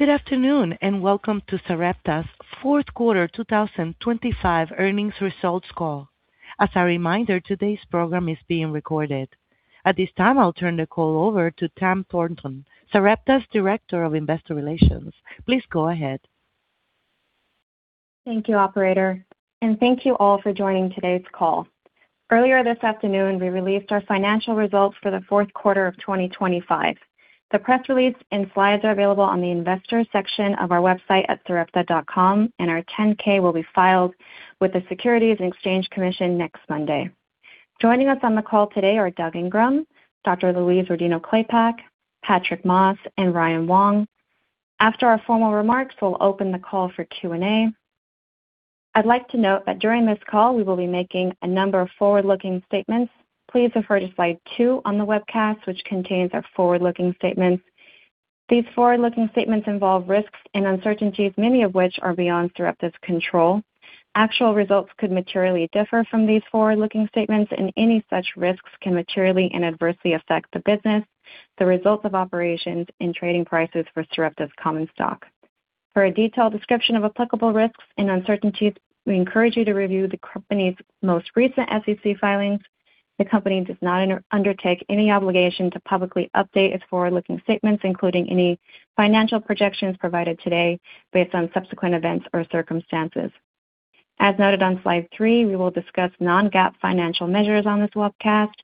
Good afternoon, welcome to Sarepta's Fourth Quarter 2025 Earnings Results Call. As a reminder, today's program is being recorded. At this time, I'll turn the call over to Tam Thornton, Sarepta's Director of Investor Relations. Please go ahead. Thank you, operator, and thank you all for joining today's call. Earlier this afternoon, we released our financial results for the fourth quarter of 2025. The press release and slides are available on the investor section of our website at sarepta.com, and our 10-K will be filed with the Securities and Exchange Commission next Monday. Joining us on the call today are Doug Ingram, Dr. Louise Rodino-Klapac, Patrick Moss, and Ryan Wong. After our formal remarks, we'll open the call for Q&A. I'd like to note that during this call, we will be making a number of forward-looking statements. Please refer to slide two on the webcast, which contains our forward-looking statements. These forward-looking statements involve risks and uncertainties, many of which are beyond Sarepta's control. Actual results could materially differ from these forward-looking statements. Any such risks can materially and adversely affect the business, the results of operations, and trading prices for Sarepta's common stock. For a detailed description of applicable risks and uncertainties, we encourage you to review the company's most recent SEC filings. The company does not undertake any obligation to publicly update its forward-looking statements, including any financial projections provided today, based on subsequent events or circumstances. As noted on slide three, we will discuss non-GAAP financial measures on this webcast.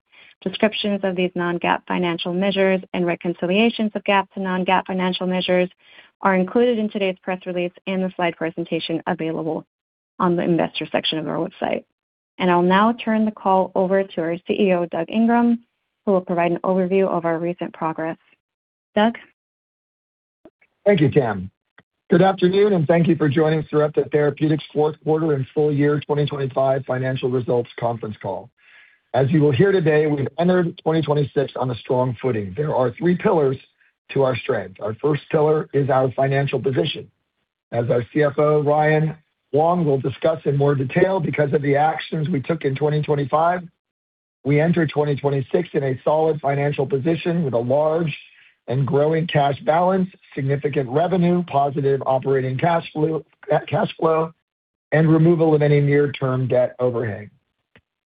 Descriptions of these non-GAAP financial measures and reconciliations of GAAP to non-GAAP financial measures are included in today's press release and the slide presentation available on the investor section of our website. I'll now turn the call over to our CEO, Doug Ingram, who will provide an overview of our recent progress. Doug? Thank you, Tam. Good afternoon, and thank you for joining Sarepta Therapeutics' fourth quarter and full-year 2025 financial results conference call. As you will hear today, we've entered 2026 on a strong footing. There are three pillars to our strength. Our first pillar is our financial position. As our CFO, Ryan Wong, will discuss in more detail, because of the actions we took in 2025, we entered 2026 in a solid financial position with a large and growing cash balance, significant revenue, positive operating cash flow, and removal of any near-term debt overhang.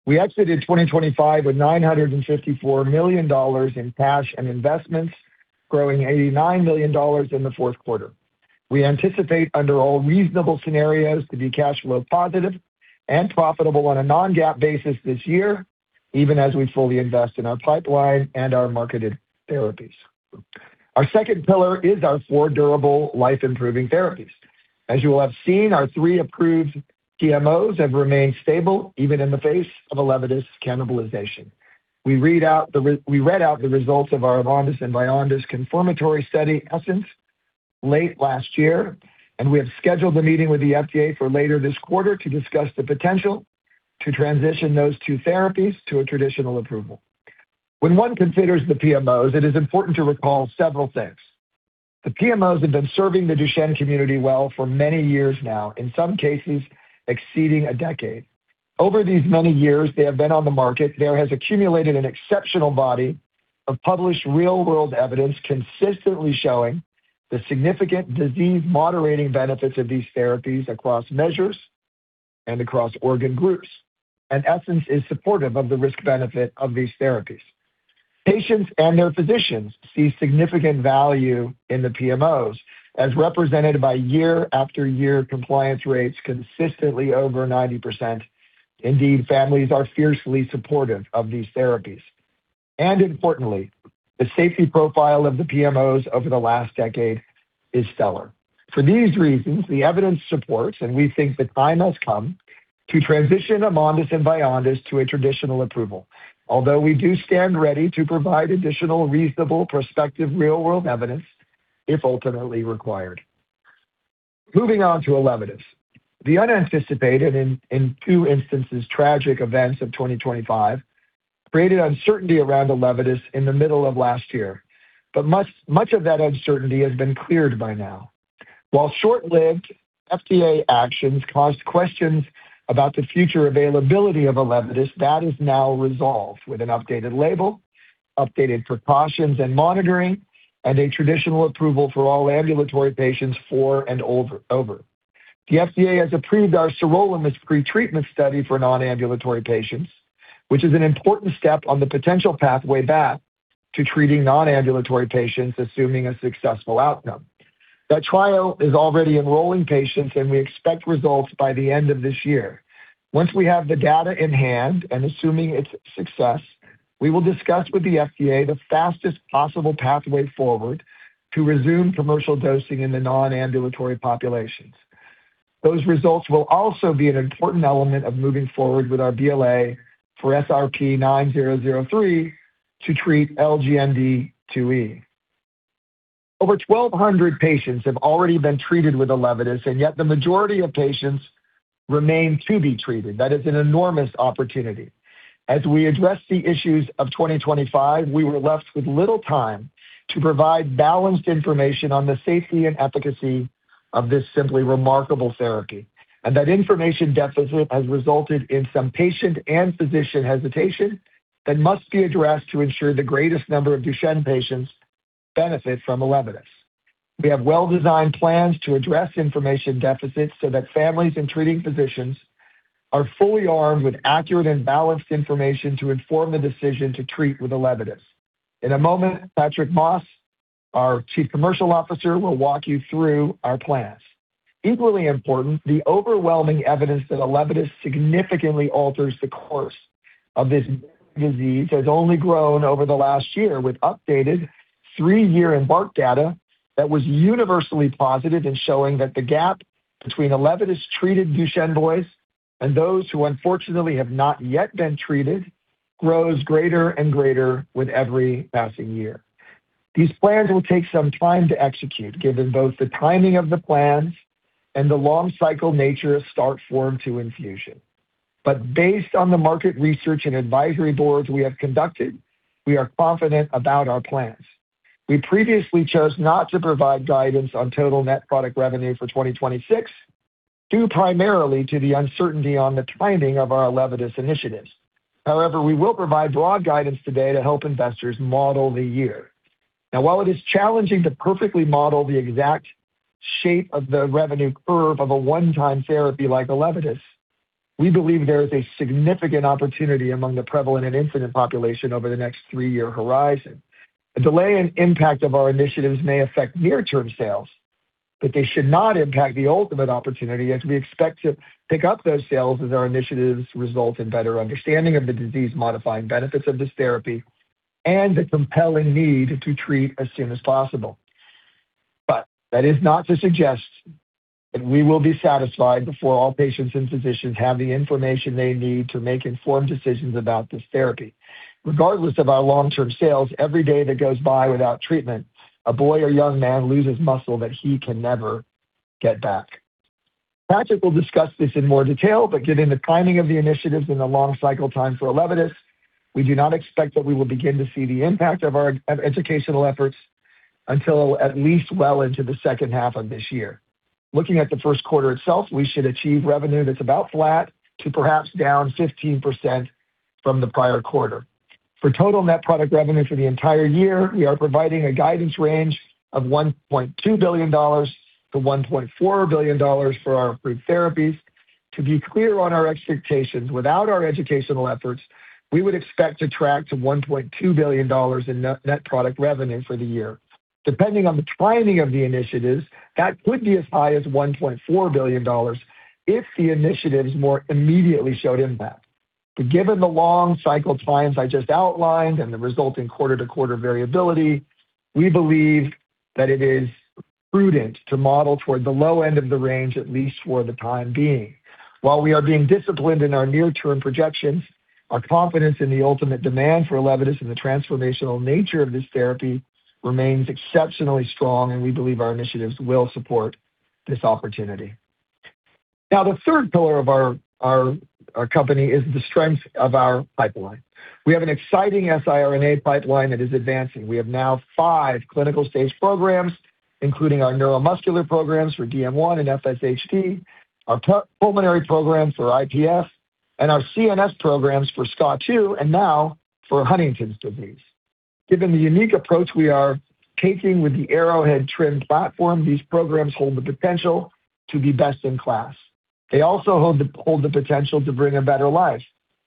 We exited 2025 with $954 million in cash and investments, growing $89 million in the fourth quarter. We anticipate, under all reasonable scenarios, to be cash flow positive and profitable on a non-GAAP basis this year, even as we fully invest in our pipeline and our marketed therapies. Our second pillar is our four durable life-improving therapies. As you will have seen, our three approved PMOs have remained stable, even in the face of ELEVIDYS cannibalization. We read out the results of our AMONDYS and VYONDYS confirmatory study, ESSENCE, late last year, and we have scheduled a meeting with the FDA for later this quarter to discuss the potential to transition those two therapies to a traditional approval. When one considers the PMOs, it is important to recall several things. The PMOs have been serving the Duchenne community well for many years now, in some cases, exceeding a decade. Over these many years, they have been on the market, there has accumulated an exceptional body of published real-world evidence, consistently showing the significant disease-moderating benefits of these therapies across measures and across organ groups, ESSENCE is supportive of the risk-benefit of these therapies. Patients and their physicians see significant value in the PMOs, as represented by year-after-year, compliance rates consistently over 90%. Indeed, families are fiercely supportive of these therapies. Importantly, the safety profile of the PMOs over the last decade is stellar. For these reasons, the evidence supports, and we think the time has come, to transition AMONDYS and VYONDYS to a traditional approval, although we do stand ready to provide additional reasonable, prospective, real-world evidence if ultimately required. Moving on to ELEVIDYS. The unanticipated and, in two instances, tragic events of 2025 created uncertainty around ELEVIDYS in the middle of last year, but much of that uncertainty has been cleared by now. While short-lived, FDA actions caused questions about the future availability of ELEVIDYS, that is now resolved with an updated label, updated precautions and monitoring, and a traditional approval for all ambulatory patients, four and over. The FDA has approved our sirolimus pretreatment study for non-ambulatory patients, which is an important step on the potential pathway back to treating non-ambulatory patients, assuming a successful outcome. That trial is already enrolling patients, and we expect results by the end of this year. Once we have the data in hand and assuming its success, we will discuss with the FDA the fastest possible pathway forward to resume commercial dosing in the non-ambulatory populations. Those results will also be an important element of moving forward with our BLA for SRP-9003 to treat LGMD2E. Over 1,200 patients have already been treated with ELEVIDYS. Yet the majority of patients remain to be treated. That is an enormous opportunity. As we address the issues of 2025, we were left with little time to provide balanced information on the safety and efficacy of this simply remarkable therapy. That information deficit has resulted in some patient and physician hesitation that must be addressed to ensure the greatest number of Duchenne patients benefit from ELEVIDYS. We have well-designed plans to address information deficits so that families and treating physicians are fully armed with accurate and balanced information to inform the decision to treat with ELEVIDYS. In a moment, Patrick Moss, our Chief Commercial Officer, will walk you through our plans. Equally important, the overwhelming evidence that ELEVIDYS significantly alters the course of this disease has only grown over the last year, with updated three-year EMBARK data that was universally positive in showing that the gap between ELEVIDYS-treated Duchenne boys and those who unfortunately have not yet been treated grows greater and greater with every passing year. These plans will take some time to execute, given both the timing of the plans and the long cycle nature of start form two infusion. Based on the market research and advisory boards we have conducted, we are confident about our plans. We previously chose not to provide guidance on total net product revenue for 2026, due primarily to the uncertainty on the timing of our ELEVIDYS initiatives. However, we will provide broad guidance today to help investors model the year. While it is challenging to perfectly model the exact shape of the revenue curve of a one-time therapy like ELEVIDYS, we believe there is a significant opportunity among the prevalent and incident population over the next three-year horizon. The delay and impact of our initiatives may affect near-term sales, but they should not impact the ultimate opportunity, as we expect to pick up those sales as our initiatives result in better understanding of the disease-modifying benefits of this therapy and the compelling need to treat as soon as possible. That is not to suggest that we will be satisfied before all patients and physicians have the information they need to make informed decisions about this therapy. Regardless of our long-term sales, every day that goes by without treatment, a boy or young man loses muscle that he can never get back. Patrick will discuss this in more detail, but given the timing of the initiatives and the long cycle time for ELEVIDYS, we do not expect that we will begin to see the impact of educational efforts until at least well into the second half of this year. Looking at the first quarter itself, we should achieve revenue that's about flat to perhaps down 15% from the prior-quarter. For total net product revenue for the entire year, we are providing a guidance range of $1.2 billion-$1.4 billion for our approved therapies. To be clear on our expectations, without our educational efforts, we would expect to track to $1.2 billion in net product revenue for the year. Depending on the timing of the initiatives, that could be as high as $1.4 billion if the initiatives more immediately showed impact. Given the long cycle times I just outlined and the resulting quarter-to-quarter variability, we believe that it is prudent to model toward the low end of the range, at least for the time being. While we are being disciplined in our near-term projections, our confidence in the ultimate demand for ELEVIDYS and the transformational nature of this therapy remains exceptionally strong, and we believe our initiatives will support this opportunity. The third pillar of our company is the strength of our pipeline. We have an exciting siRNA pipeline that is advancing. We have now five clinical stage programs, including our neuromuscular programs for DM1 and FSHD, our pulmonary programs for IPF, and our CNS programs for SCA2, and now for Huntington's disease. Given the unique approach we are taking with the Arrowhead TRiM platform, these programs hold the potential to be best in class. They also hold the potential to bring a better life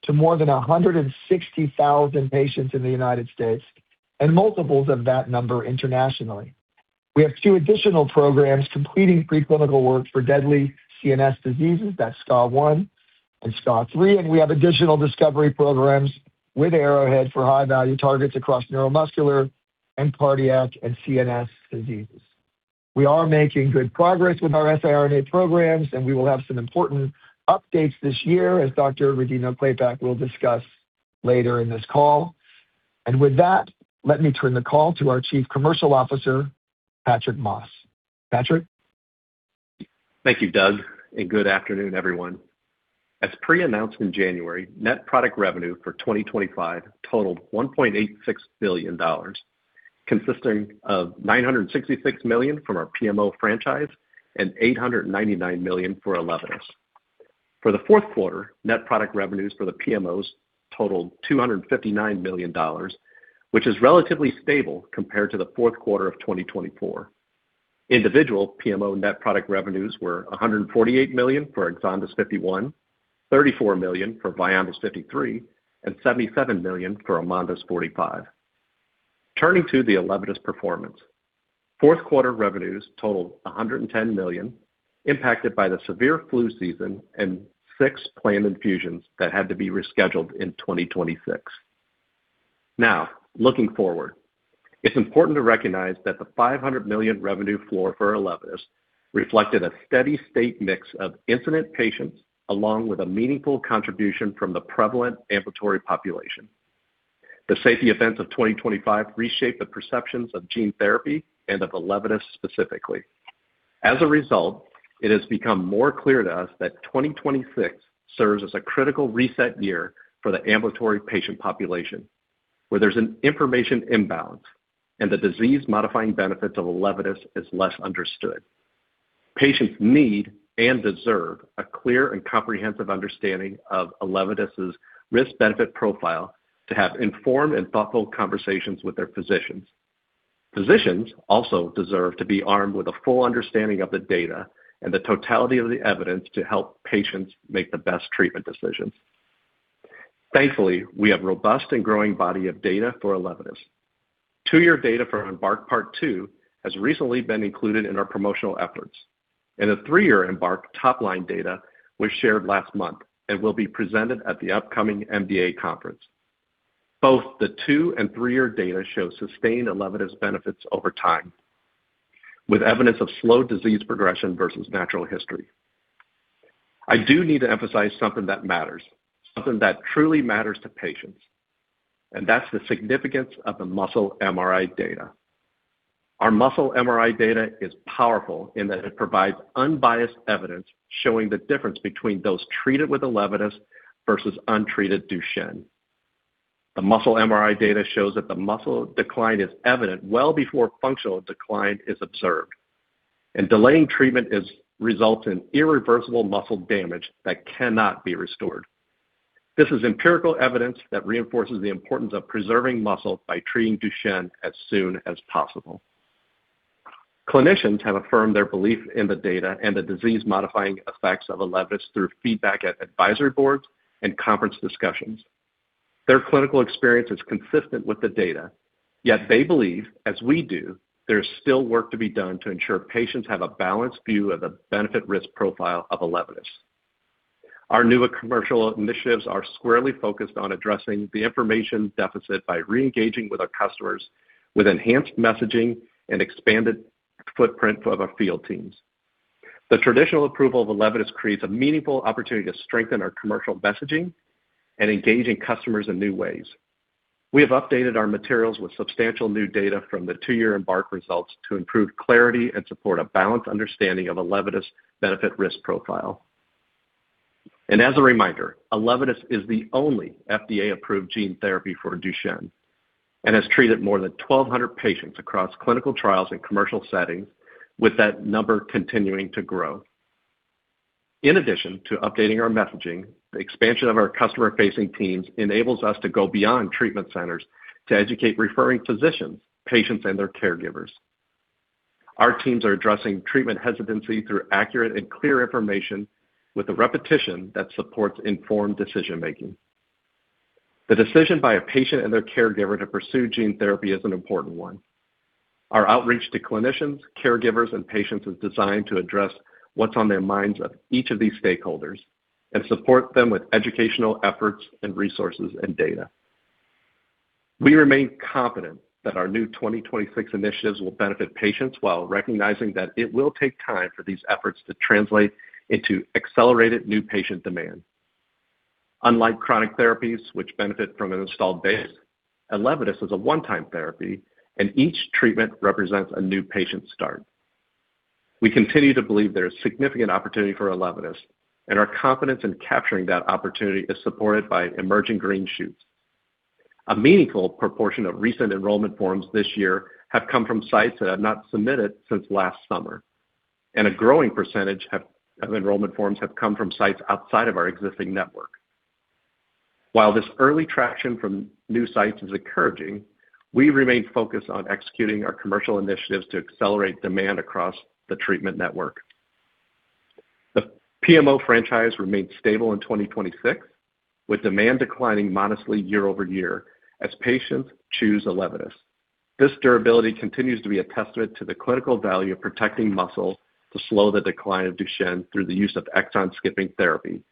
to more than 160,000 patients in the United States and multiples of that number internationally. We have two additional programs completing preclinical work for deadly CNS diseases, that's SCA1 and SCA3, and we have additional discovery programs with Arrowhead for high-value targets across neuromuscular and cardiac and CNS diseases. We are making good progress with our siRNA programs, and we will have some important updates this year, as Dr. Louise Rodino-Klapac will discuss later in this call. With that, let me turn the call to our Chief Commercial Officer, Patrick Moss. Patrick? Thank you, Doug, and good afternoon, everyone. As pre-announced in January, net product revenue for 2025 totaled $1.86 billion, consisting of $966 million from our PMO franchise and $899 million for ELEVIDYS. For the fourth quarter, net product revenues for the PMOs totaled $259 million, which is relatively stable compared to the fourth quarter of 2024. Individual PMO net product revenues were $148 million for EXONDYS 51, $34 million for VYONDYS 53, and $77 million for AMONDYS 45. Turning to the ELEVIDYS performance. Fourth quarter revenues totaled $110 million, impacted by the severe flu season and 6 planned infusions that had to be rescheduled in 2026. Looking forward, it's important to recognize that the $500 million revenue floor for ELEVIDYS reflected a steady state mix of incident patients, along with a meaningful contribution from the prevalent ambulatory population. The safety events of 2025 reshaped the perceptions of gene therapy and of ELEVIDYS specifically. As a result, it has become more clear to us that 2026 serves as a critical reset year for the ambulatory patient population. Where there's an information imbalance and the disease-modifying benefits of ELEVIDYS is less understood. Patients need and deserve a clear and comprehensive understanding of ELEVIDYS' risk-benefit profile to have informed and thoughtful conversations with their physicians. Physicians also deserve to be armed with a full understanding of the data and the totality of the evidence to help patients make the best treatment decisions. Thankfully, we have robust and growing body of data for ELEVIDYS. Two-year data from EMBARK Part Two has recently been included in our promotional efforts. The three-year EMBARK top-line data was shared last month and will be presented at the upcoming MDA Conference. Both the two and three-year data show sustained ELEVIDYS benefits over time, with evidence of slow disease progression versus natural history. I do need to emphasize something that matters, something that truly matters to patients. That's the significance of the muscle MRI data. Our muscle MRI data is powerful in that it provides unbiased evidence showing the difference between those treated with ELEVIDYS versus untreated Duchenne. The muscle MRI data shows that the muscle decline is evident well before functional decline is observed. Delaying treatment results in irreversible muscle damage that cannot be restored. This is empirical evidence that reinforces the importance of preserving muscle by treating Duchenne as soon as possible. Clinicians have affirmed their belief in the data and the disease-modifying effects of ELEVIDYS through feedback at advisory boards and conference discussions. Their clinical experience is consistent with the data, yet they believe, as we do, there is still work to be done to ensure patients have a balanced view of the benefit-risk profile of ELEVIDYS. Our newer commercial initiatives are squarely focused on addressing the information deficit by reengaging with our customers with enhanced messaging and expanded footprint of our field teams. The traditional approval of ELEVIDYS creates a meaningful opportunity to strengthen our commercial messaging and engaging customers in new ways. We have updated our materials with substantial new data from the two-year EMBARK results to improve clarity and support a balanced understanding of ELEVIDYS' benefit-risk profile. As a reminder, ELEVIDYS is the only FDA-approved gene therapy for Duchenne and has treated more than 1,200 patients across clinical trials and commercial settings, with that number continuing to grow. In addition to updating our messaging, the expansion of our customer-facing teams enables us to go beyond treatment centers to educate referring physicians, patients, and their caregivers. Our teams are addressing treatment hesitancy through accurate and clear information, with a repetition that supports informed decision-making. The decision by a patient and their caregiver to pursue gene therapy is an important one. Our outreach to clinicians, caregivers, and patients is designed to address what's on their minds of each of these stakeholders and support them with educational efforts and resources and data. We remain confident that our new 2026 initiatives will benefit patients while recognizing that it will take time for these efforts to translate into accelerated new patient demand. Unlike chronic therapies, which benefit from an installed base, ELEVIDYS is a one-time therapy, and each treatment represents a new patient start. We continue to believe there is significant opportunity for ELEVIDYS, and our confidence in capturing that opportunity is supported by emerging green shoots. A meaningful proportion of recent enrollment forms this year have come from sites that have not submitted since last summer, and a growing percentage of enrollment forms have come from sites outside of our existing network. This early traction from new sites is encouraging, we remain focused on executing our commercial initiatives to accelerate demand across the treatment network. The PMO franchise remained stable in 2026, with demand declining modestly year-over-year as patients choose ELEVIDYS. This durability continues to be a testament to the clinical value of protecting muscle to slow the decline of Duchenne through the use of exon-skipping therapy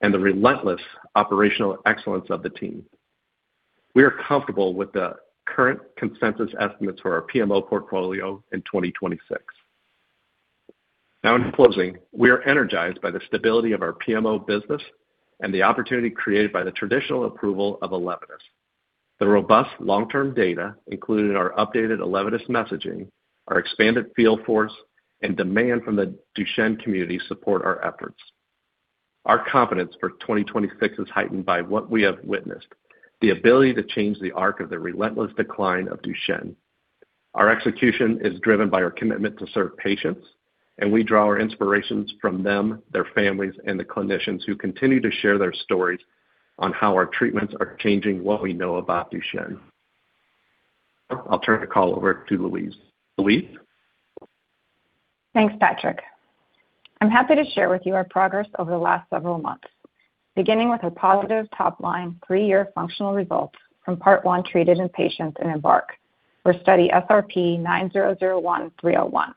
and the relentless operational excellence of the team. We are comfortable with the current consensus estimates for our PMO portfolio in 2026. In closing, we are energized by the stability of our PMO business and the opportunity created by the traditional approval of ELEVIDYS. The robust long-term data included in our updated ELEVIDYS messaging, our expanded field force, and demand from the Duchenne community support our efforts. Our confidence for 2026 is heightened by what we have witnessed, the ability to change the arc of the relentless decline of Duchenne. Our execution is driven by our commitment to serve patients. We draw our inspirations from them, their families, and the clinicians who continue to share their stories on how our treatments are changing what we know about Duchenne. I'll turn the call over to Louise. Louise? Thanks, Patrick. I'm happy to share with you our progress over the last several months, beginning with our positive top-line three-year functional results from Part one treated in patients in EMBARK for study SRP-9001-301,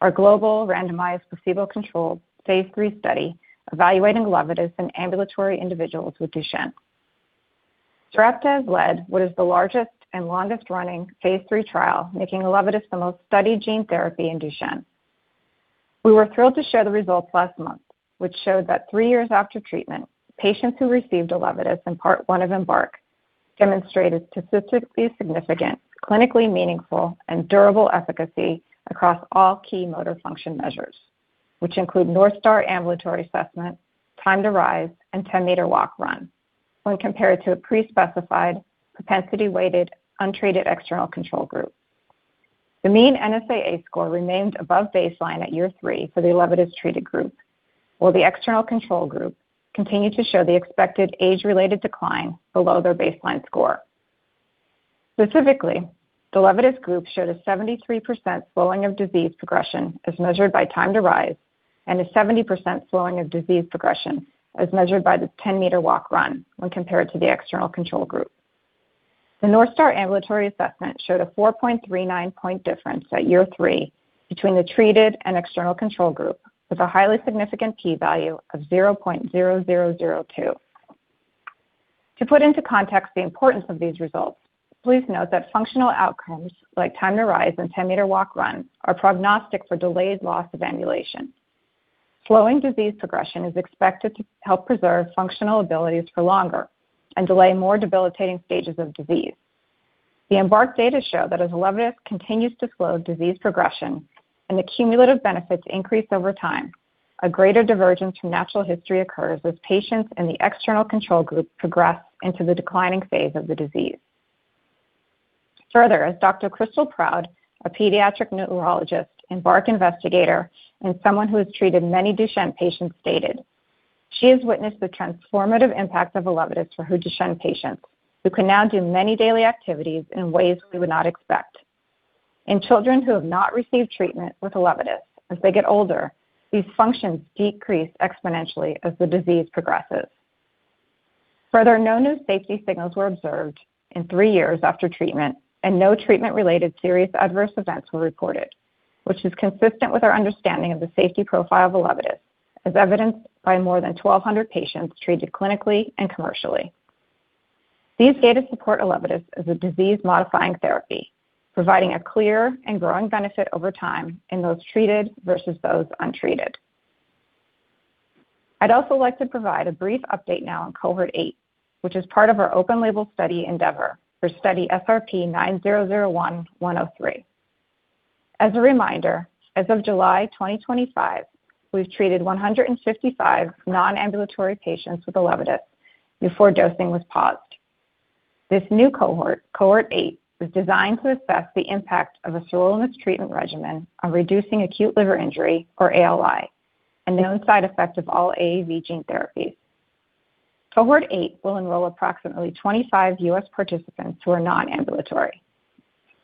our global randomized placebo-controlled Phase III study, evaluating ELEVIDYS in ambulatory individuals with Duchenne. Sarepta has led what is the largest and longest-running Phase III trial, making ELEVIDYS the most studied gene therapy in Duchenne. We were thrilled to share the results last month, which showed that three years after treatment, patients who received ELEVIDYS in Part One of EMBARK demonstrated statistically significant, clinically meaningful, and durable efficacy across all key motor function measures, which include North Star Ambulatory Assessment, Time to Rise, and Ten Meter Walk/Run, when compared to a pre-specified propensity-weighted, untreated external control group. The mean NSAA score remained above baseline at year three for the ELEVIDYS treated group, while the external control group continued to show the expected age-related decline below their baseline score. Specifically, the ELEVIDYS group showed a 73% slowing of disease progression as measured by Time to Rise, and a 70% slowing of disease progression as measured by the Ten Meter Walk/Run when compared to the external control group. The North Star Ambulatory Assessment showed a 4.39 point difference at year three between the treated and external control group, with a highly significant P value of 0.0002. To put into context the importance of these results, please note that functional outcomes like Time to Rise and Ten Meter Walk/Run are prognostic for delayed loss of ambulation. Slowing disease progression is expected to help preserve functional abilities for longer and delay more debilitating stages of disease. The EMBARK data show that as ELEVIDYS continues to slow disease progression and the cumulative benefits increase over time, a greater divergence from natural history occurs as patients in the external control group progress into the declining phase of the disease. Further, as Dr. Crystal Proud, a pediatric neurologist, EMBARK investigator, and someone who has treated many Duchenne patients, stated, she has witnessed the transformative impact of ELEVIDYS for her Duchenne patients, who can now do many daily activities in ways we would not expect. In children who have not received treatment with ELEVIDYS, as they get older, these functions decrease exponentially as the disease progresses. No new safety signals were observed in three years after treatment, and no treatment-related serious adverse events were reported, which is consistent with our understanding of the safety profile of ELEVIDYS, as evidenced by more than 1,200 patients treated clinically and commercially. These data support ELEVIDYS as a disease-modifying therapy, providing a clear and growing benefit over time in those treated versus those untreated. I'd also like to provide a brief update now on Cohort 8, which is part of our open-label study ENDEAVOR for study SRP-9001-103. As a reminder, as of July 2025, we've treated 155 non-ambulatory patients with ELEVIDYS before dosing was paused. This new cohort, Cohort 8, was designed to assess the impact of a sirolimus treatment regimen on reducing acute liver injury, or ALI, a known side effect of all AAV gene therapies. Cohort 8 will enroll approximately 25 US participants who are non-ambulatory.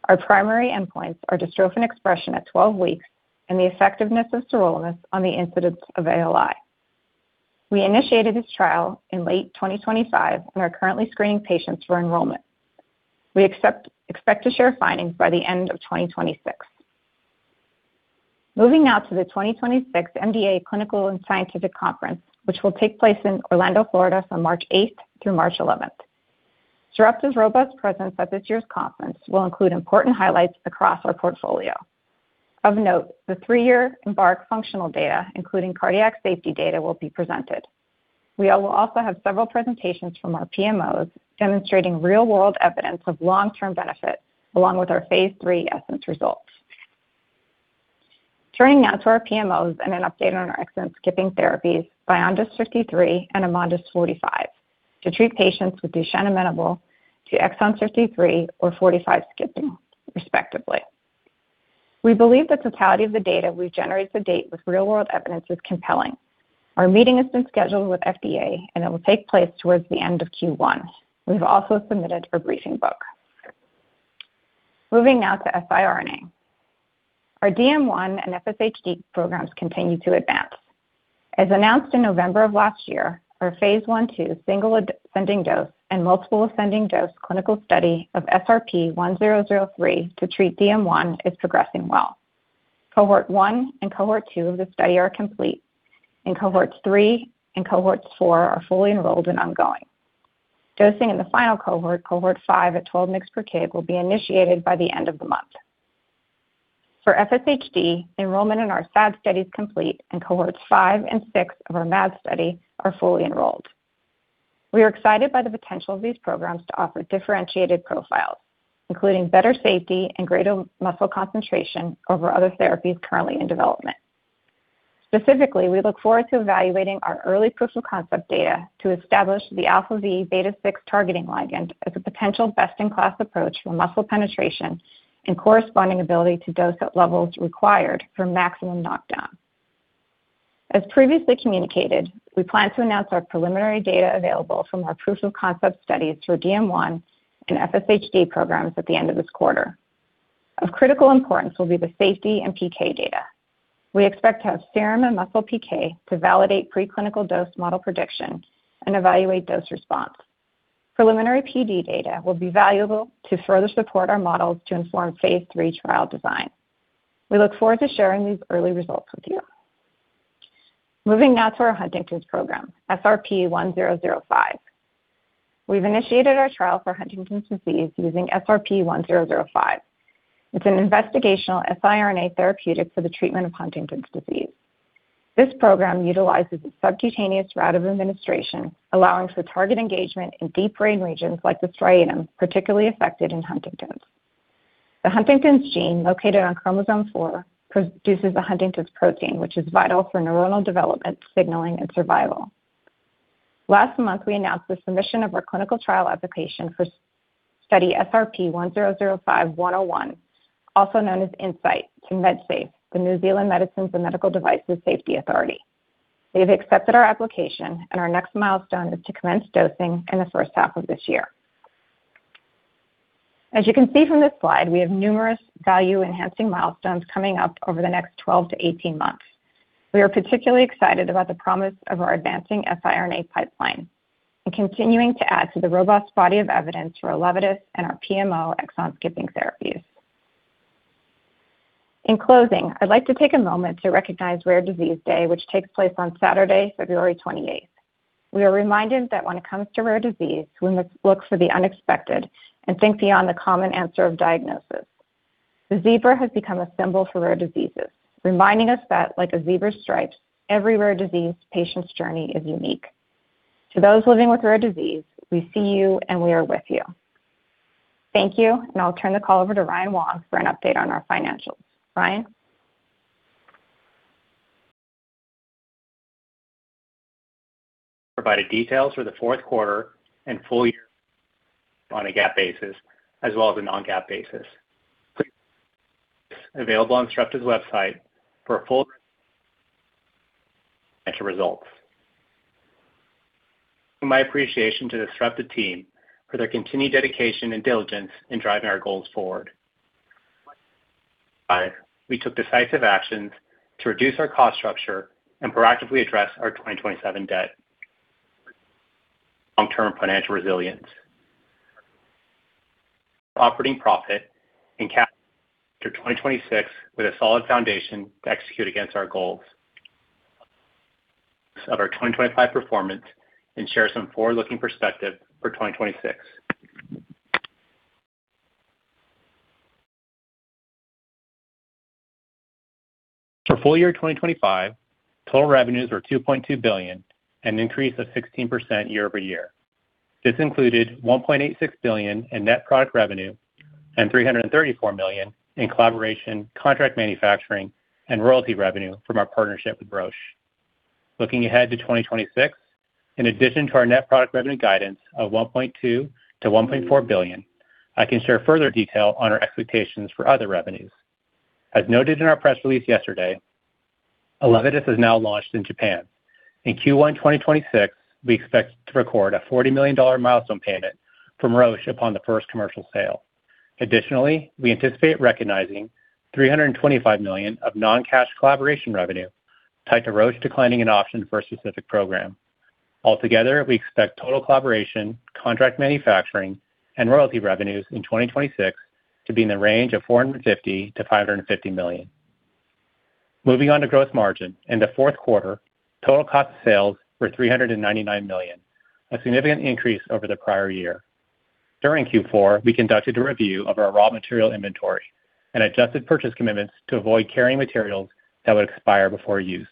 Our primary endpoints are dystrophin expression at 12 weeks and the effectiveness of sirolimus on the incidence of ALI. We initiated this trial in late 2025 and are currently screening patients for enrollment. We expect to share findings by the end of 2026. Moving now to the 2026 MDA Clinical & Scientific Conference, which will take place in Orlando, Florida, from March 8th through March 11th. Sarepta's robust presence at this year's conference will include important highlights across our portfolio. Of note, the three-year EMBARK functional data, including cardiac safety data, will be presented. We will also have several presentations from our PMOs demonstrating real-world evidence of long-term benefit, along with our phase III ESSENCE results. Turning now to our PMOs and an update on our exon-skipping therapies, VYONDYS 53 and AMONDYS 45, to treat patients with Duchenne amenable to exon 53 or 45 skipping, respectively. We believe the totality of the data we've generated to date with real-world evidence is compelling. Our meeting has been scheduled with FDA. It will take place towards the end of Q1. We've also submitted a briefing book. Moving now to siRNA. Our DM1 and FSHD programs continue to advance. As announced in November of last year, our phase I/II single ascending dose and multiple ascending dose clinical study of SRP-1003 to treat DM1 is progressing well. Cohort 1 and Cohort 2 of the study are complete, and Cohorts 3 and Cohorts 4 are fully enrolled and ongoing. Dosing in the final cohort, Cohort 5, at 12 mg per kg, will be initiated by the end of the month. For FSHD, enrollment in our SAD study is complete, and Cohorts 5 and 6 of our MAD study are fully enrolled. We are excited by the potential of these programs to offer differentiated profiles, including better safety and greater muscle concentration over other therapies currently in development. Specifically, we look forward to evaluating our early proof-of-concept data to establish the αvβ6 targeting ligand as a potential best-in-class approach for muscle penetration and corresponding ability to dose at levels required for maximum knockdown. As previously communicated, we plan to announce our preliminary data available from our proof-of-concept studies for DM1 and FSHD programs at the end of this quarter. Of critical importance will be the safety and PK data. We expect to have serum and muscle PK to validate preclinical dose model prediction and evaluate dose response. Preliminary PD data will be valuable to further support our models to inform phase III trial design. We look forward to sharing these early results with you. Moving now to our Huntington's program, SRP-1005. We've initiated our trial for Huntington's disease using SRP-1005. It's an investigational siRNA therapeutic for the treatment of Huntington's disease. This program utilizes a subcutaneous route of administration, allowing for target engagement in deep brain regions like the striatum, particularly affected in Huntington's.... The Huntington's gene, located on Chromosome 4, produces a Huntington's protein, which is vital for neuronal development, signaling, and survival. Last month, we announced the submission of our clinical trial application for study SRP-1005-101, also known as INSIGHTT, to Medsafe, the New Zealand Medicines and Medical Devices Safety Authority. They've accepted our application. Our next milestone is to commence dosing in the first half of this year. As you can see from this slide, we have numerous value-enhancing milestones coming up over the next 12 months-18 months. We are particularly excited about the promise of our advancing siRNA pipeline and continuing to add to the robust body of evidence for ELEVIDYS and our PMO exon-skipping therapies. In closing, I'd like to take a moment to recognize Rare Disease Day, which takes place on Saturday, February 28th. We are reminded that when it comes to rare disease, we must look for the unexpected and think beyond the common answer of diagnosis. The zebra has become a symbol for rare diseases, reminding us that, like a zebra's stripes, every rare disease patient's journey is unique. To those living with rare disease, we see you, and we are with you. Thank you, I'll turn the call over to Ryan Wong for an update on our financials. Ryan? Provided details for the fourth quarter and full-year on a GAAP basis as well as a non-GAAP basis. Available on Sarepta's website for a full financial results. My appreciation to the Sarepta team for their continued dedication and diligence in driving our goals forward. We took decisive actions to reduce our cost structure and proactively address our 2027 debt. Long-term financial resilience. Operating profit in cap to 2026 with a solid foundation to execute against our goals. Of our 2025 performance and share some forward-looking perspective for 2026. For full-year 2025, total revenues were $2.2 billion, an increase of 16% year-over-year. This included $1.86 billion in net product revenue and $334 million in collaboration, contract manufacturing, and royalty revenue from our partnership with Roche. Looking ahead to 2026, in addition to our net product revenue guidance of $1.2 billion-$1.4 billion, I can share further detail on our expectations for other revenues. As noted in our press release yesterday, ELEVIDYS is now launched in Japan. In Q1 2026, we expect to record a $40 million milestone payment from Roche upon the first commercial sale. We anticipate recognizing $325 million of non-cash collaboration revenue tied to Roche declining an option for a specific program. We expect total collaboration, contract manufacturing, and royalty revenues in 2026 to be in the range of $450 million-$550 million. Moving on to gross margin. In the fourth quarter, total cost of sales were $399 million, a significant increase over the prior-year. During Q4, we conducted a review of our raw material inventory and adjusted purchase commitments to avoid carrying materials that would expire before use.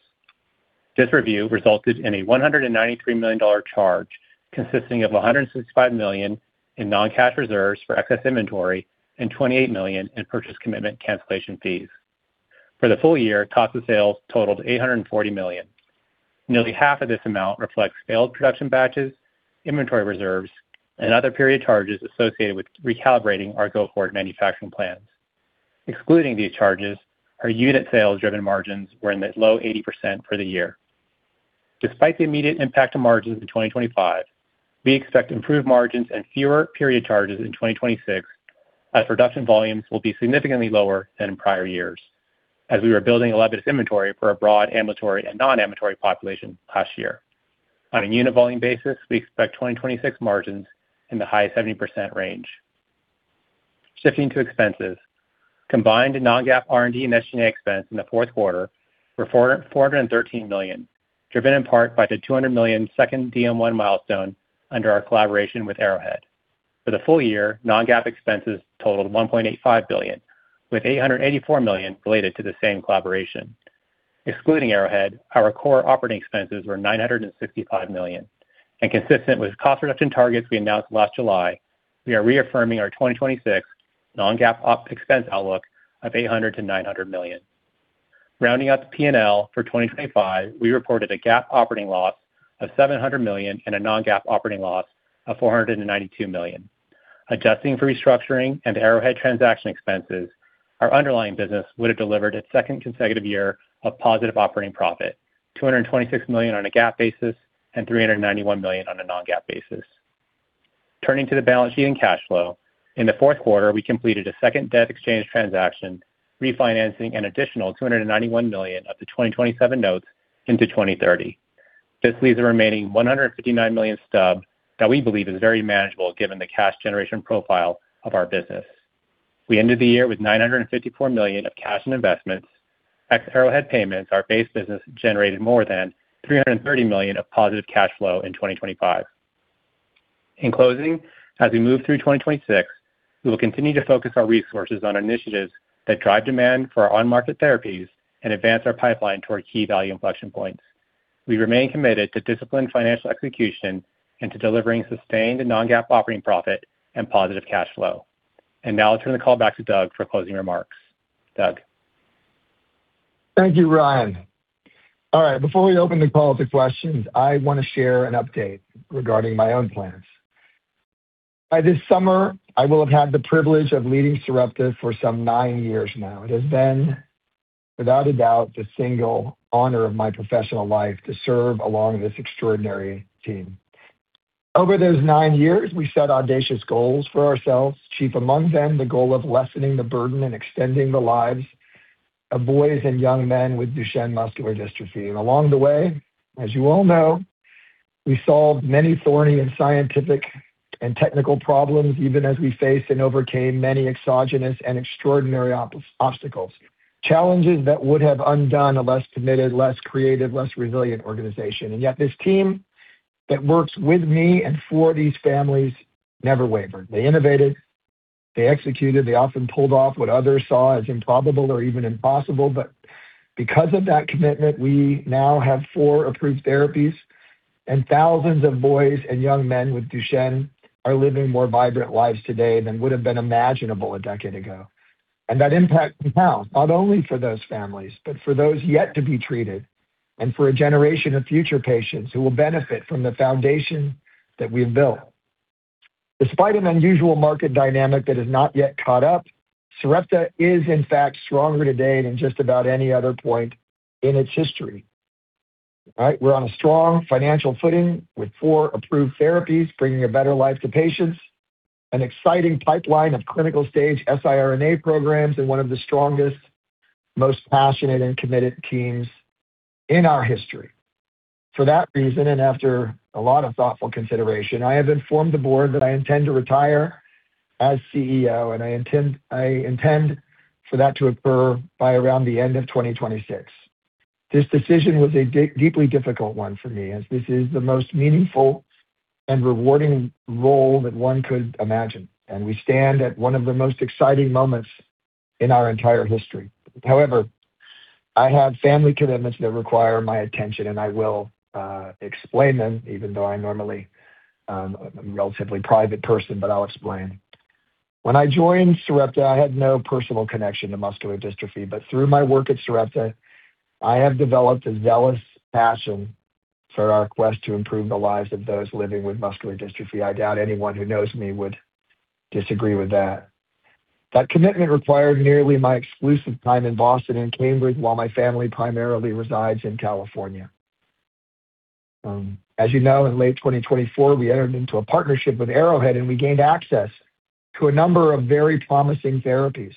This review resulted in a $193 million charge, consisting of $165 million in non-cash reserves for excess inventory and $28 million in purchase commitment cancellation fees. For the full-year, cost of sales totaled $840 million. Nearly half of this amount reflects failed production batches, inventory reserves, and other period charges associated with recalibrating our go-forward manufacturing plans. Excluding these charges, our unit sales-driven margins were in the low 80% for the year. Despite the immediate impact on margins in 2025, we expect improved margins and fewer period charges in 2026, as production volumes will be significantly lower than in prior-years, as we were building ELEVIDYS inventory for a broad ambulatory and non-ambulatory population last year. On a unit volume basis, we expect 2026 margins in the high 70% range. Shifting to expenses. Combined non-GAAP, R&D, and SG&A expense in the fourth quarter were $413 million, driven in part by the $200 million second DM1 milestone under our collaboration with Arrowhead. For the full-year, non-GAAP expenses totaled $1.85 billion, with $884 million related to the same collaboration. Excluding Arrowhead, our core operating expenses were $965 million. Consistent with cost reduction targets we announced last July, we are reaffirming our 2026 non-GAAP OpEx outlook of $800 million-$900 million. Rounding out the P&L for 2025, we reported a GAAP operating loss of $700 million and a non-GAAP operating loss of $492 million. Adjusting for restructuring and Arrowhead transaction expenses, our underlying business would have delivered its second consecutive year of positive operating profit, $226 million on a GAAP basis and $391 million on a non-GAAP basis. Turning to the balance sheet and cash flow. In the fourth quarter, we completed a second debt exchange transaction, refinancing an additional $291 million of the 2027 notes into 2030. This leaves a remaining $159 million stub that we believe is very manageable given the cash generation profile of our business. We ended the year with $954 million of cash and investments. Ex Arrowhead payments, our base business generated more than $330 million of positive cash flow in 2025. In closing, as we move through 2026, we will continue to focus our resources on initiatives that drive demand for our on-market therapies and advance our pipeline to our key value inflection points. We remain committed to disciplined financial execution and to delivering sustained and non-GAAP operating profit and positive cash flow. Now I'll turn the call back to Doug for closing remarks. Doug? Thank you, Ryan. All right, before we open the call to questions, I want to share an update regarding my own plans. By this summer, I will have had the privilege of leading Sarepta for some nine years now. It has been, without a doubt, the single honor of my professional life to serve along this extraordinary team. Over those nine years, we set audacious goals for ourselves, chief among them, the goal of lessening the burden and extending the lives of boys and young men with Duchenne muscular dystrophy. Along the way, as you all know, we solved many thorny and scientific and technical problems, even as we faced and overcame many exogenous and extraordinary obstacles, challenges that would have undone a less committed, less creative, less resilient organization. Yet this team that works with me and for these families never wavered. They innovated, they executed, they often pulled off what others saw as improbable or even impossible. Because of that commitment, we now have 4 approved therapies, and thousands of boys and young men with Duchenne are living more vibrant lives today than would have been imaginable a decade ago. That impact compounds not only for those families, but for those yet to be treated and for a generation of future patients who will benefit from the foundation that we've built. Despite an unusual market dynamic that has not yet caught up, Sarepta is, in fact, stronger today than just about any other point in its history, right? We're on a strong financial footing with 4 approved therapies, bringing a better life to patients, an exciting pipeline of clinical-stage siRNA programs, and one of the strongest, most passionate and committed teams in our history. For that reason, after a lot of thoughtful consideration, I have informed the board that I intend to retire as CEO. I intend for that to occur by around the end of 2026. This decision was a deeply difficult one for me, as this is the most meaningful and rewarding role that one could imagine. We stand at one of the most exciting moments in our entire history. However, I have family commitments that require my attention. I will explain them, even though I normally, I'm a relatively private person. I'll explain. When I joined Sarepta, I had no personal connection to muscular dystrophy. Through my work at Sarepta, I have developed a zealous passion for our quest to improve the lives of those living with muscular dystrophy. I doubt anyone who knows me would disagree with that. That commitment required nearly my exclusive time in Boston and Cambridge, while my family primarily resides in California. As you know, in late 2024, we entered into a partnership with Arrowhead, and we gained access to a number of very promising therapies,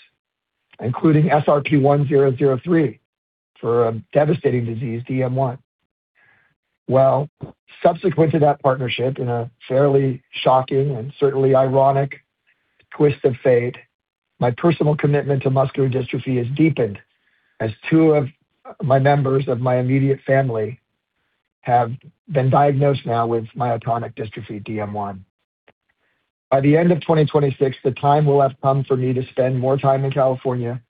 including SRP-1003, for a devastating disease, DM1. Subsequent to that partnership, in a fairly shocking and certainly ironic twist of fate, my personal commitment to muscular dystrophy has deepened, as 2 members of my immediate family have been diagnosed now with myotonic dystrophy, DM1. By the end of 2026, the time will have come for me to spend more time in California,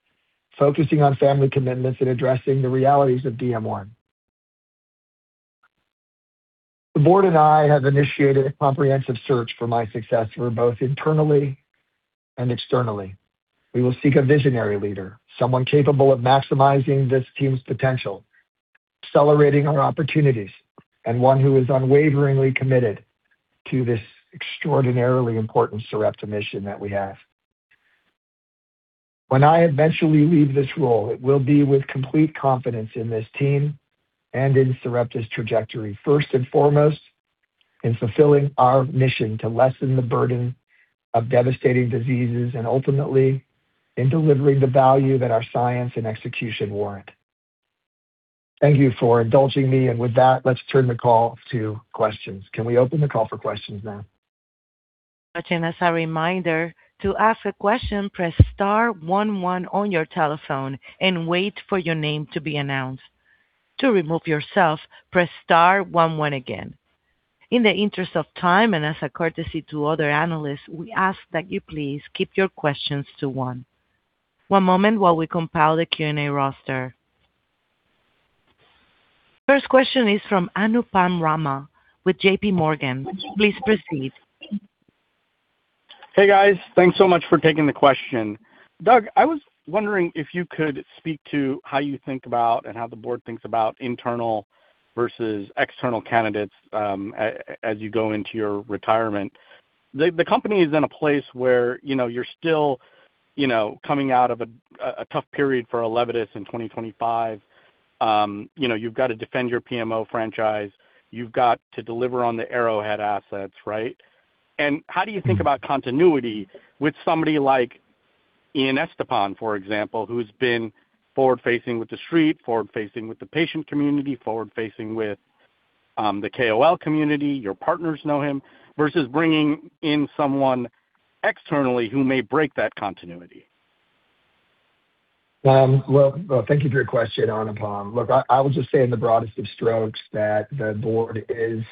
focusing on family commitments and addressing the realities of DM1. The board and I have initiated a comprehensive search for my successor, both internally and externally. We will seek a visionary leader, someone capable of maximizing this team's potential, accelerating our opportunities, and one who is unwaveringly committed to this extraordinarily important Sarepta mission that we have. When I eventually leave this role, it will be with complete confidence in this team and in Sarepta's trajectory, first and foremost, in fulfilling our mission to lessen the burden of devastating diseases and ultimately in delivering the value that our science and execution warrant. Thank you for indulging me. With that, let's turn the call to questions. Can we open the call for questions now? As a reminder, to ask a question, press star one one on your telephone and wait for your name to be announced. To remove yourself, press star one one again. In the interest of time and as a courtesy to other analysts, we ask that you please keep your questions to one. One moment while we compile the Q&A roster. First question is from Anupam Rama with JPMorgan. Please proceed. Hey, guys. Thanks so much for taking the question. Doug, I was wondering if you could speak to how you think about and how the board thinks about internal versus external candidates as you go into your retirement. The company is in a place where, you know, you're still, you know, coming out of a tough period for ELEVIDYS in 2025. You know, you've got to defend your PMO franchise. You've got to deliver on the Arrowhead assets, right? How do you think about continuity with somebody like Ian Estepan, for example, who's been forward-facing with the street, forward-facing with the patient community, forward-facing with the KOL community, your partners know him, versus bringing in someone externally who may break that continuity? Well, thank you for your question, Anupam. Look, I will just say in the broadest of strokes, that the board is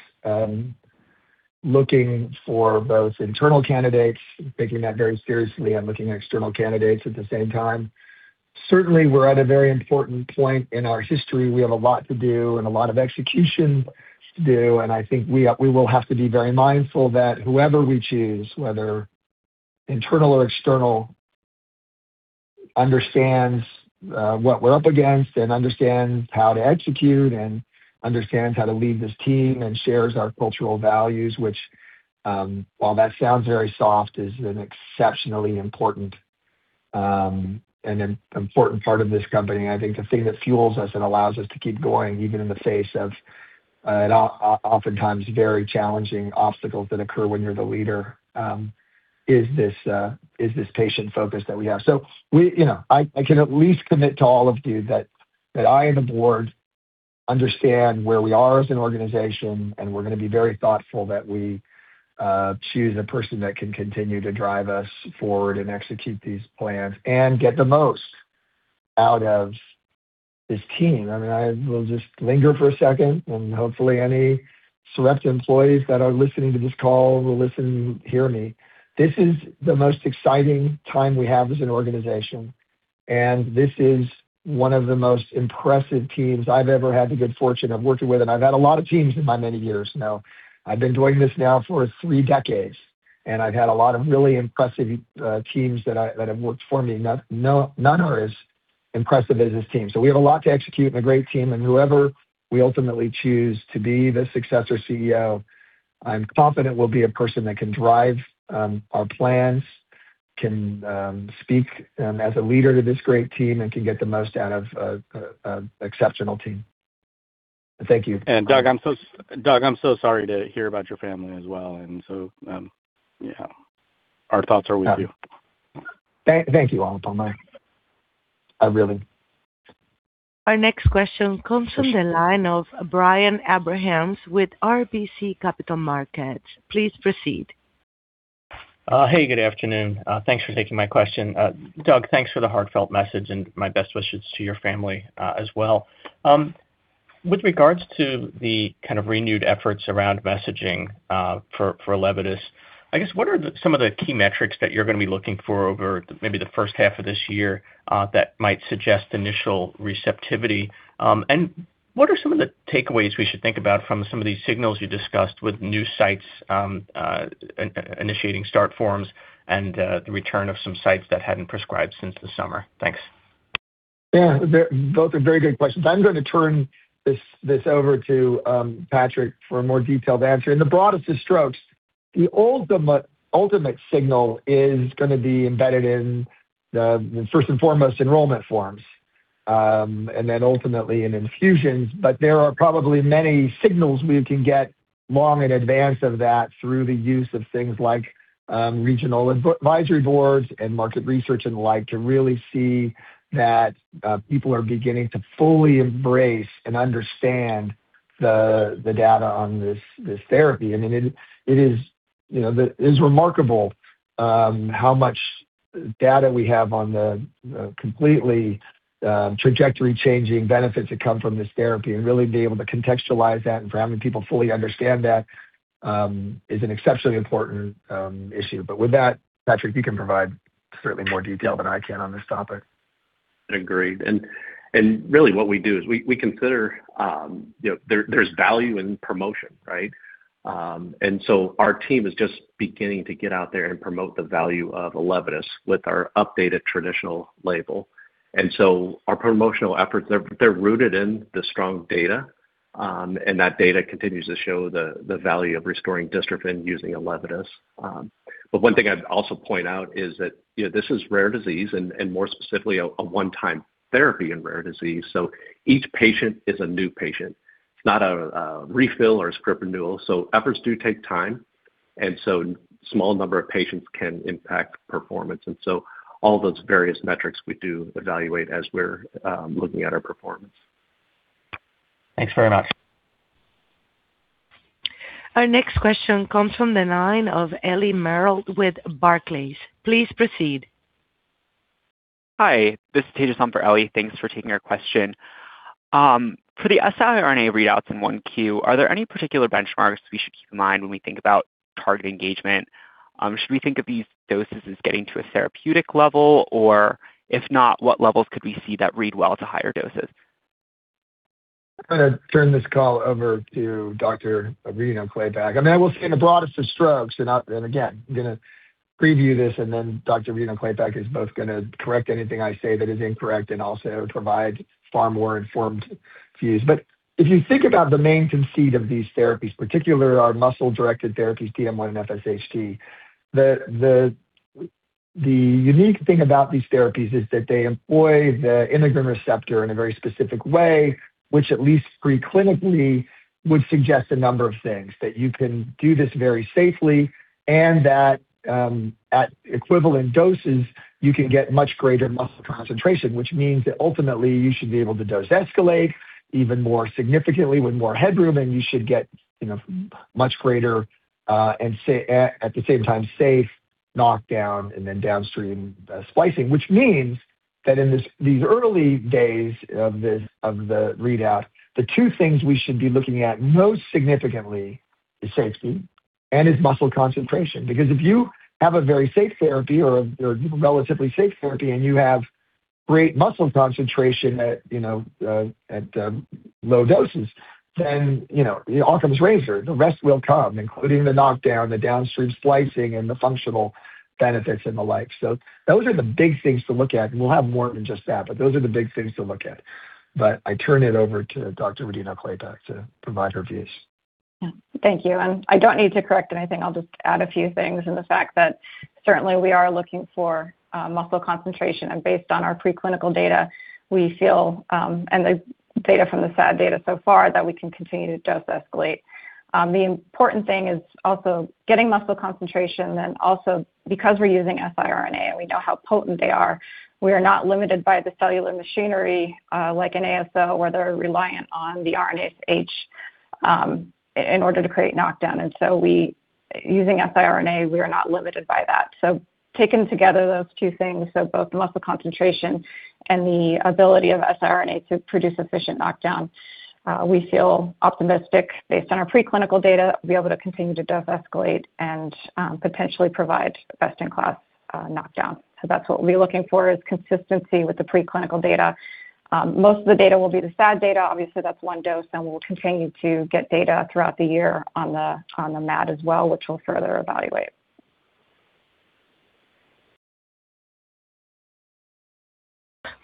looking for both internal candidates, taking that very seriously, and looking at external candidates at the same time. Certainly, we're at a very important point in our history. We have a lot to do and a lot of execution to do, and I think we will have to be very mindful that whoever we choose, whether internal or external, understands what we're up against and understands how to execute and understands how to lead this team and shares our cultural values, which, while that sounds very soft, is an exceptionally important and an important part of this company. I think the thing that fuels us and allows us to keep going, even in the face of oftentimes very challenging obstacles that occur when you're the leader, is this patient focus that we have. You know, I can at least commit to all of you that I and the board understand where we are as an organization, and we're gonna be very thoughtful that we choose a person that can continue to drive us forward and execute these plans and get the most out of this team. I mean, I will just linger for a second, and hopefully, any Sarepta employees that are listening to this call will listen and hear me. This is the most exciting time we have as an organization, and this is one of the most impressive teams I've ever had the good fortune of working with, and I've had a lot of teams in my many years now. I've been doing this now for three decades, and I've had a lot of really impressive teams that have worked for me. None are as impressive as this team. We have a lot to execute and a great team, and whoever we ultimately choose to be the successor CEO, I'm confident will be a person that can drive our plans, can speak as a leader to this great team and can get the most out of an exceptional team. Thank you. Doug, I'm so sorry to hear about your family as well, and so, yeah, our thoughts are with you. Thank you, all, I really. Our next question comes from the line of Brian Abrahams with RBC Capital Markets. Please proceed. Hey, good afternoon. Thanks for taking my question. Doug, thanks for the heartfelt message, my best wishes to your family as well. With regards to the kind of renewed efforts around messaging for ELEVIDYS, I guess what are some of the key metrics that you're gonna be looking for over maybe the first half of this year that might suggest initial receptivity? What are some of the takeaways we should think about from some of these signals you discussed with new sites initiating start forms and the return of some sites that hadn't prescribed since the summer? Thanks. Yeah, they're both are very good questions. I'm gonna turn this over to Patrick for a more detailed answer. In the broadest of strokes, the ultimate signal is gonna be embedded in the first and foremost enrollment forms, and then ultimately in infusions. There are probably many signals we can get long in advance of that through the use of things like regional advisory boards and market research and the like, to really see that people are beginning to fully embrace and understand the data on this therapy. I mean, it is, you know, it's remarkable how much data we have on the completely trajectory-changing benefits that come from this therapy, and really being able to contextualize that and for having people fully understand that is an exceptionally important issue. With that, Patrick, you can provide certainly more detail than I can on this topic. Agreed. Really what we do is we consider, you know, there's value in promotion, right? Our team is just beginning to get out there and promote the value of ELEVIDYS with our updated traditional label. Our promotional efforts, they're rooted in the strong data, and that data continues to show the value of restoring dystrophin using ELEVIDYS. One thing I'd also point out is that, you know, this is rare disease, and more specifically, a one-time therapy and rare disease, so each patient is a new patient, not a refill or a script renewal. Efforts do take time, small number of patients can impact performance. All those various metrics we do evaluate as we're looking at our performance. Thanks very much. Our next question comes from the line of Ellie Merle with Barclays. Please proceed. Hi, this is Paige Thompson for Ellie. Thanks for taking our question. For the siRNA readouts in 1Q, are there any particular benchmarks we should keep in mind when we think about target engagement? Should we think of these doses as getting to a therapeutic level? If not, what levels could we see that read well to higher doses? I'm gonna turn this call over to Dr. Rodino-Klapac. I mean, I will say in the broadest of strokes, again, I'm gonna preview this, and then Dr. Rodino-Klapac is both gonna correct anything I say that is incorrect and also provide far more informed views. If you think about the mechanism of these therapies, particularly our muscle-directed therapies, DM1 and FSHD, the unique thing about these therapies is that they employ the integrin receptor in a very specific way, which at least preclinically, would suggest a number of things: That you can do this very safely, and that, at equivalent doses, you can get much greater muscle concentration, which means that ultimately you should be able to dose escalate even more significantly with more headroom, and you should get, you know, much greater, and at the same time, safe knockdown and then downstream, splicing. Which means that in these early days of the readout, the two things we should be looking at most significantly is safety and is muscle concentration. If you have a very safe therapy or relatively safe therapy, and you have great muscle concentration at, you know, at low doses, then, you know, Occam's razor, the rest will come, including the knockdown, the downstream splicing, and the functional benefits and the like. Those are the big things to look at, and we'll have more than just that, but those are the big things to look at. I turn it over to Dr. Rodino-Klapac to provide her views. Yeah. Thank you. I don't need to correct anything. I'll just add a few things, and the fact that certainly we are looking for muscle concentration. Based on our preclinical data, we feel, and the data from the SAD data so far, that we can continue to dose escalate. The important thing is also getting muscle concentration and also because we're using siRNA, and we know how potent they are, we are not limited by the cellular machinery, like an ASO, where they're reliant on the RNase H in order to create knockdown. So we using siRNA, we are not limited by that. Taken together those two things, so both the muscle concentration and the ability of siRNA to produce efficient knockdown, we feel optimistic, based on our preclinical data, we'll be able to continue to dose escalate and potentially provide best-in-class knockdown. That's what we're looking for, is consistency with the preclinical data. Most of the data will be the SAD data. Obviously, that's one dose, and we'll continue to get data throughout the year on the MAD as well, which we'll further evaluate.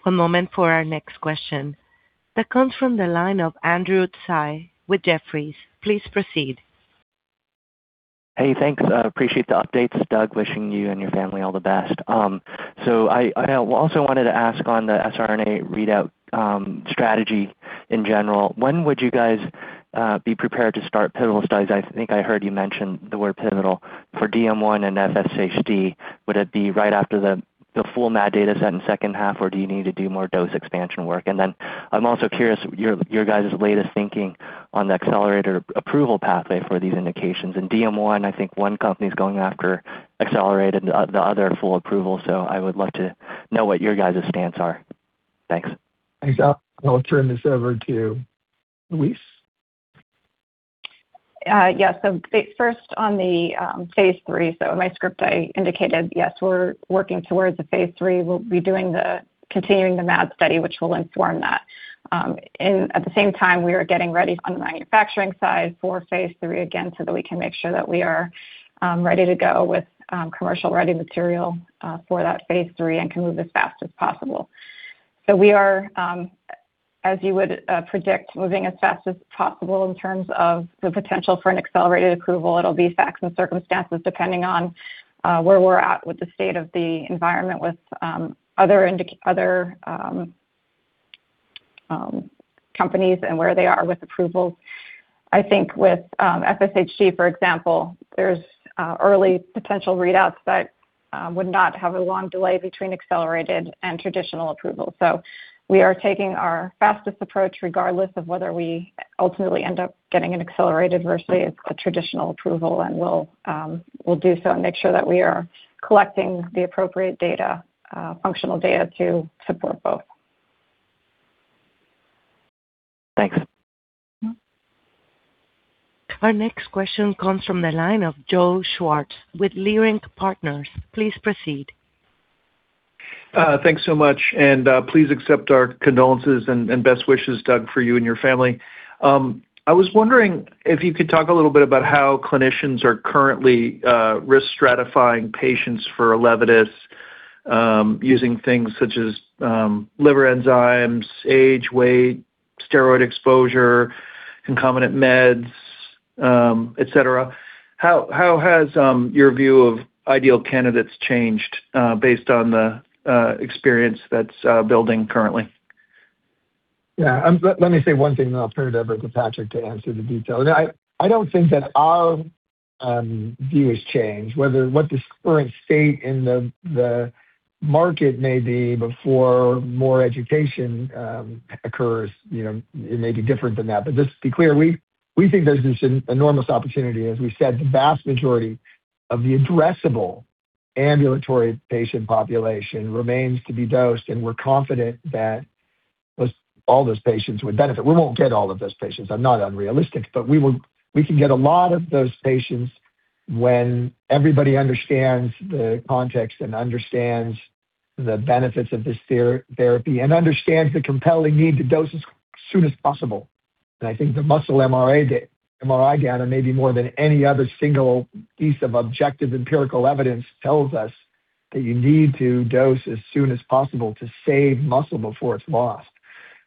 One moment for our next question. That comes from the line of Andrew Tsai with Jefferies. Please proceed. Hey, thanks. I appreciate the updates, Doug. Wishing you and your family all the best. I also wanted to ask on the siRNA readout strategy in general, when would you guys be prepared to start pivotal studies? I think I heard you mention the word pivotal for DM1 and FSHD. Would it be right after the full MAD data set in second half, or do you need to do more dose expansion work? I'm also curious, your guys' latest thinking on the accelerated approval pathway for these indications. In DM1, I think one company's going after accelerated, the other, full approval, so I would love to know what your guys' stance are. Thanks. Thanks. I'll turn this over to Louise. Yeah. First, on the phase III, in my script, I indicated, yes, we're working towards the phase III. We'll be doing the continuing the MAD study, which will inform that. At the same time, we are getting ready on the manufacturing side for phase III, again, so that we can make sure that we are ready to go with commercial ready material for that phase III and can move as fast as possible. We are, as you would predict, moving as fast as possible in terms of the potential for an accelerated approval. It'll be facts and circumstances, depending on where we're at with the state of the environment with other companies and where they are with approvals. I think with FSHD, for example, there's early potential readouts that would not have a long delay between accelerated and traditional approval. We are taking our fastest approach, regardless of whether we ultimately end up getting an accelerated versus a traditional approval. We'll do so and make sure that we are collecting the appropriate data, functional data to support both. Thanks. Our next question comes from the line of Joseph Schwartz with Leerink Partners. Please proceed. Thanks so much, and please accept our condolences and best wishes, Doug, for you and your family. I was wondering if you could talk a little bit about how clinicians are currently risk stratifying patients for ELEVIDYS, using things such as liver enzymes, age, weight, steroid exposure, concomitant meds, et cetera. How has your view of ideal candidates changed based on the experience that's building currently? Yeah, let me say one thing, and I'll turn it over to Patrick to answer the details. I don't think that our view has changed. Whether what the current state in the market may be before more education occurs, you know, it may be different than that. Just to be clear, we think there's this an enormous opportunity. As we said, the vast majority of the addressable ambulatory patient population remains to be dosed, and we're confident that those, all those patients would benefit. We won't get all of those patients, I'm not unrealistic, but we can get a lot of those patients when everybody understands the context and understands the benefits of this therapy and understands the compelling need to dose as soon as possible. I think the muscle MRI data, maybe more than any other single piece of objective empirical evidence, tells us that you need to dose as soon as possible to save muscle before it's lost.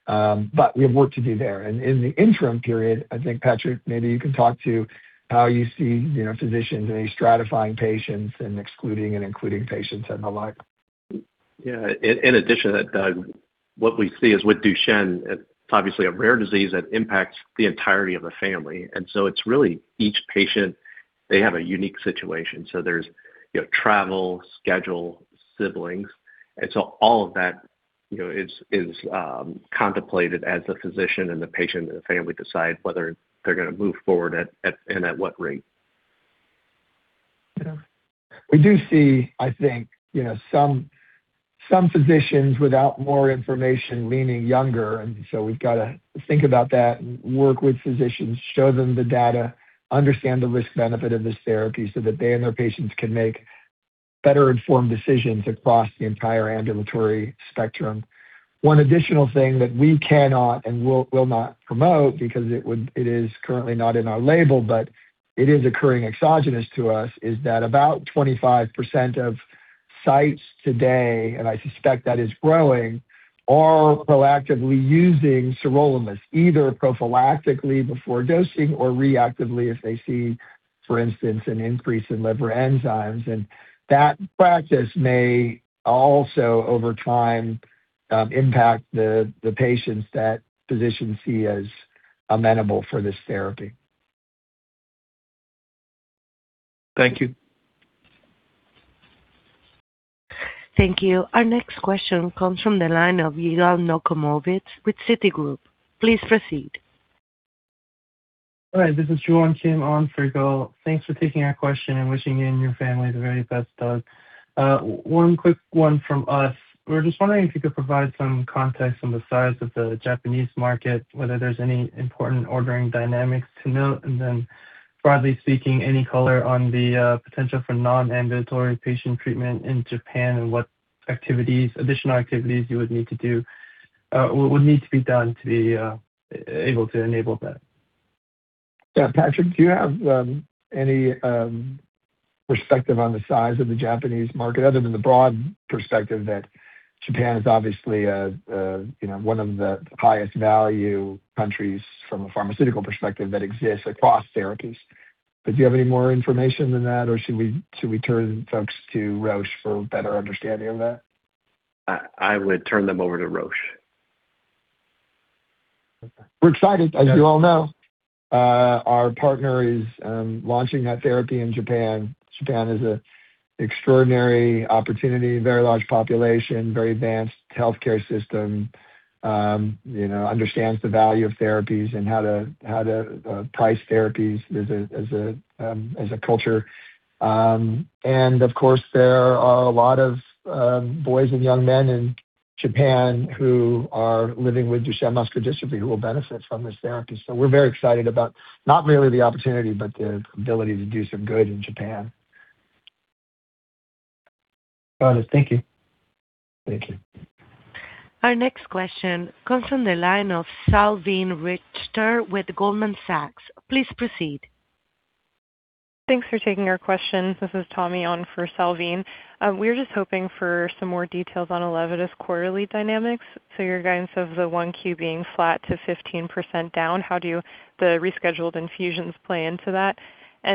We have work to do there. In the interim period, I think, Patrick, maybe you can talk to how you see, you know, physicians and stratifying patients and excluding and including patients and the like. Yeah. In addition to that, Doug, what we see is with Duchenne, it's obviously a rare disease that impacts the entirety of a family. It's really each patient, they have a unique situation. There's, you know, travel, schedule, siblings, all of that, you know, is contemplated as the physician and the patient and the family decide whether they're gonna move forward at what rate. We do see, I think, you know, some physicians without more information leaning younger. We've got to think about that and work with physicians, show them the data, understand the risk-benefit of this therapy so that they and their patients can make better informed decisions across the entire ambulatory spectrum. One additional thing that we cannot and will not promote, because it is currently not in our label, but it is occurring exogenous to us, is that about 25% of sites today, and I suspect that is growing, are proactively using sirolimus, either prophylactically before dosing or reactively if they see, for instance, an increase in liver enzymes. That practice may also, over time, impact the patients that physicians see as amenable for this therapy. Thank you. Thank you. Our next question comes from the line of Yigal Nochomovitz with Citigroup. Please proceed. Hi, this is John on for Yigal. Thanks for taking our question and wishing you and your family the very best, Doug. One quick one from us. We're just wondering if you could provide some context on the size of the Japanese market, whether there's any important ordering dynamics to note, and then, broadly speaking, any color on the potential for non-ambulatory patient treatment in Japan and what activities, additional activities you would need to do, would need to be done to be able to enable that? Yeah, Patrick, do you have any perspective on the size of the Japanese market other than the broad perspective that Japan is obviously a, you know, one of the highest value countries from a pharmaceutical perspective that exists across therapies? Do you have any more information than that, or should we turn folks to Roche for a better understanding of that? I would turn them over to Roche. We're excited. As you all know, our partner is launching that therapy in Japan. Japan is an extraordinary opportunity, very large population, very advanced healthcare system, you know, understands the value of therapies and how to price therapies as a culture. Of course, there are a lot of boys and young men in Japan who are living with Duchenne muscular dystrophy who will benefit from this therapy. We're very excited about not merely the opportunity, but the ability to do some good in Japan. Got it. Thank you. Thank you. Our next question comes from the line of Salveen Richter with Goldman Sachs. Please proceed. Thanks for taking our question. This is Tommy on for Salveen. We're just hoping for some more details on ELEVIDYS' quarterly dynamics. Your guidance of the 1Q being flat to 15% down, how do the rescheduled infusions play into that?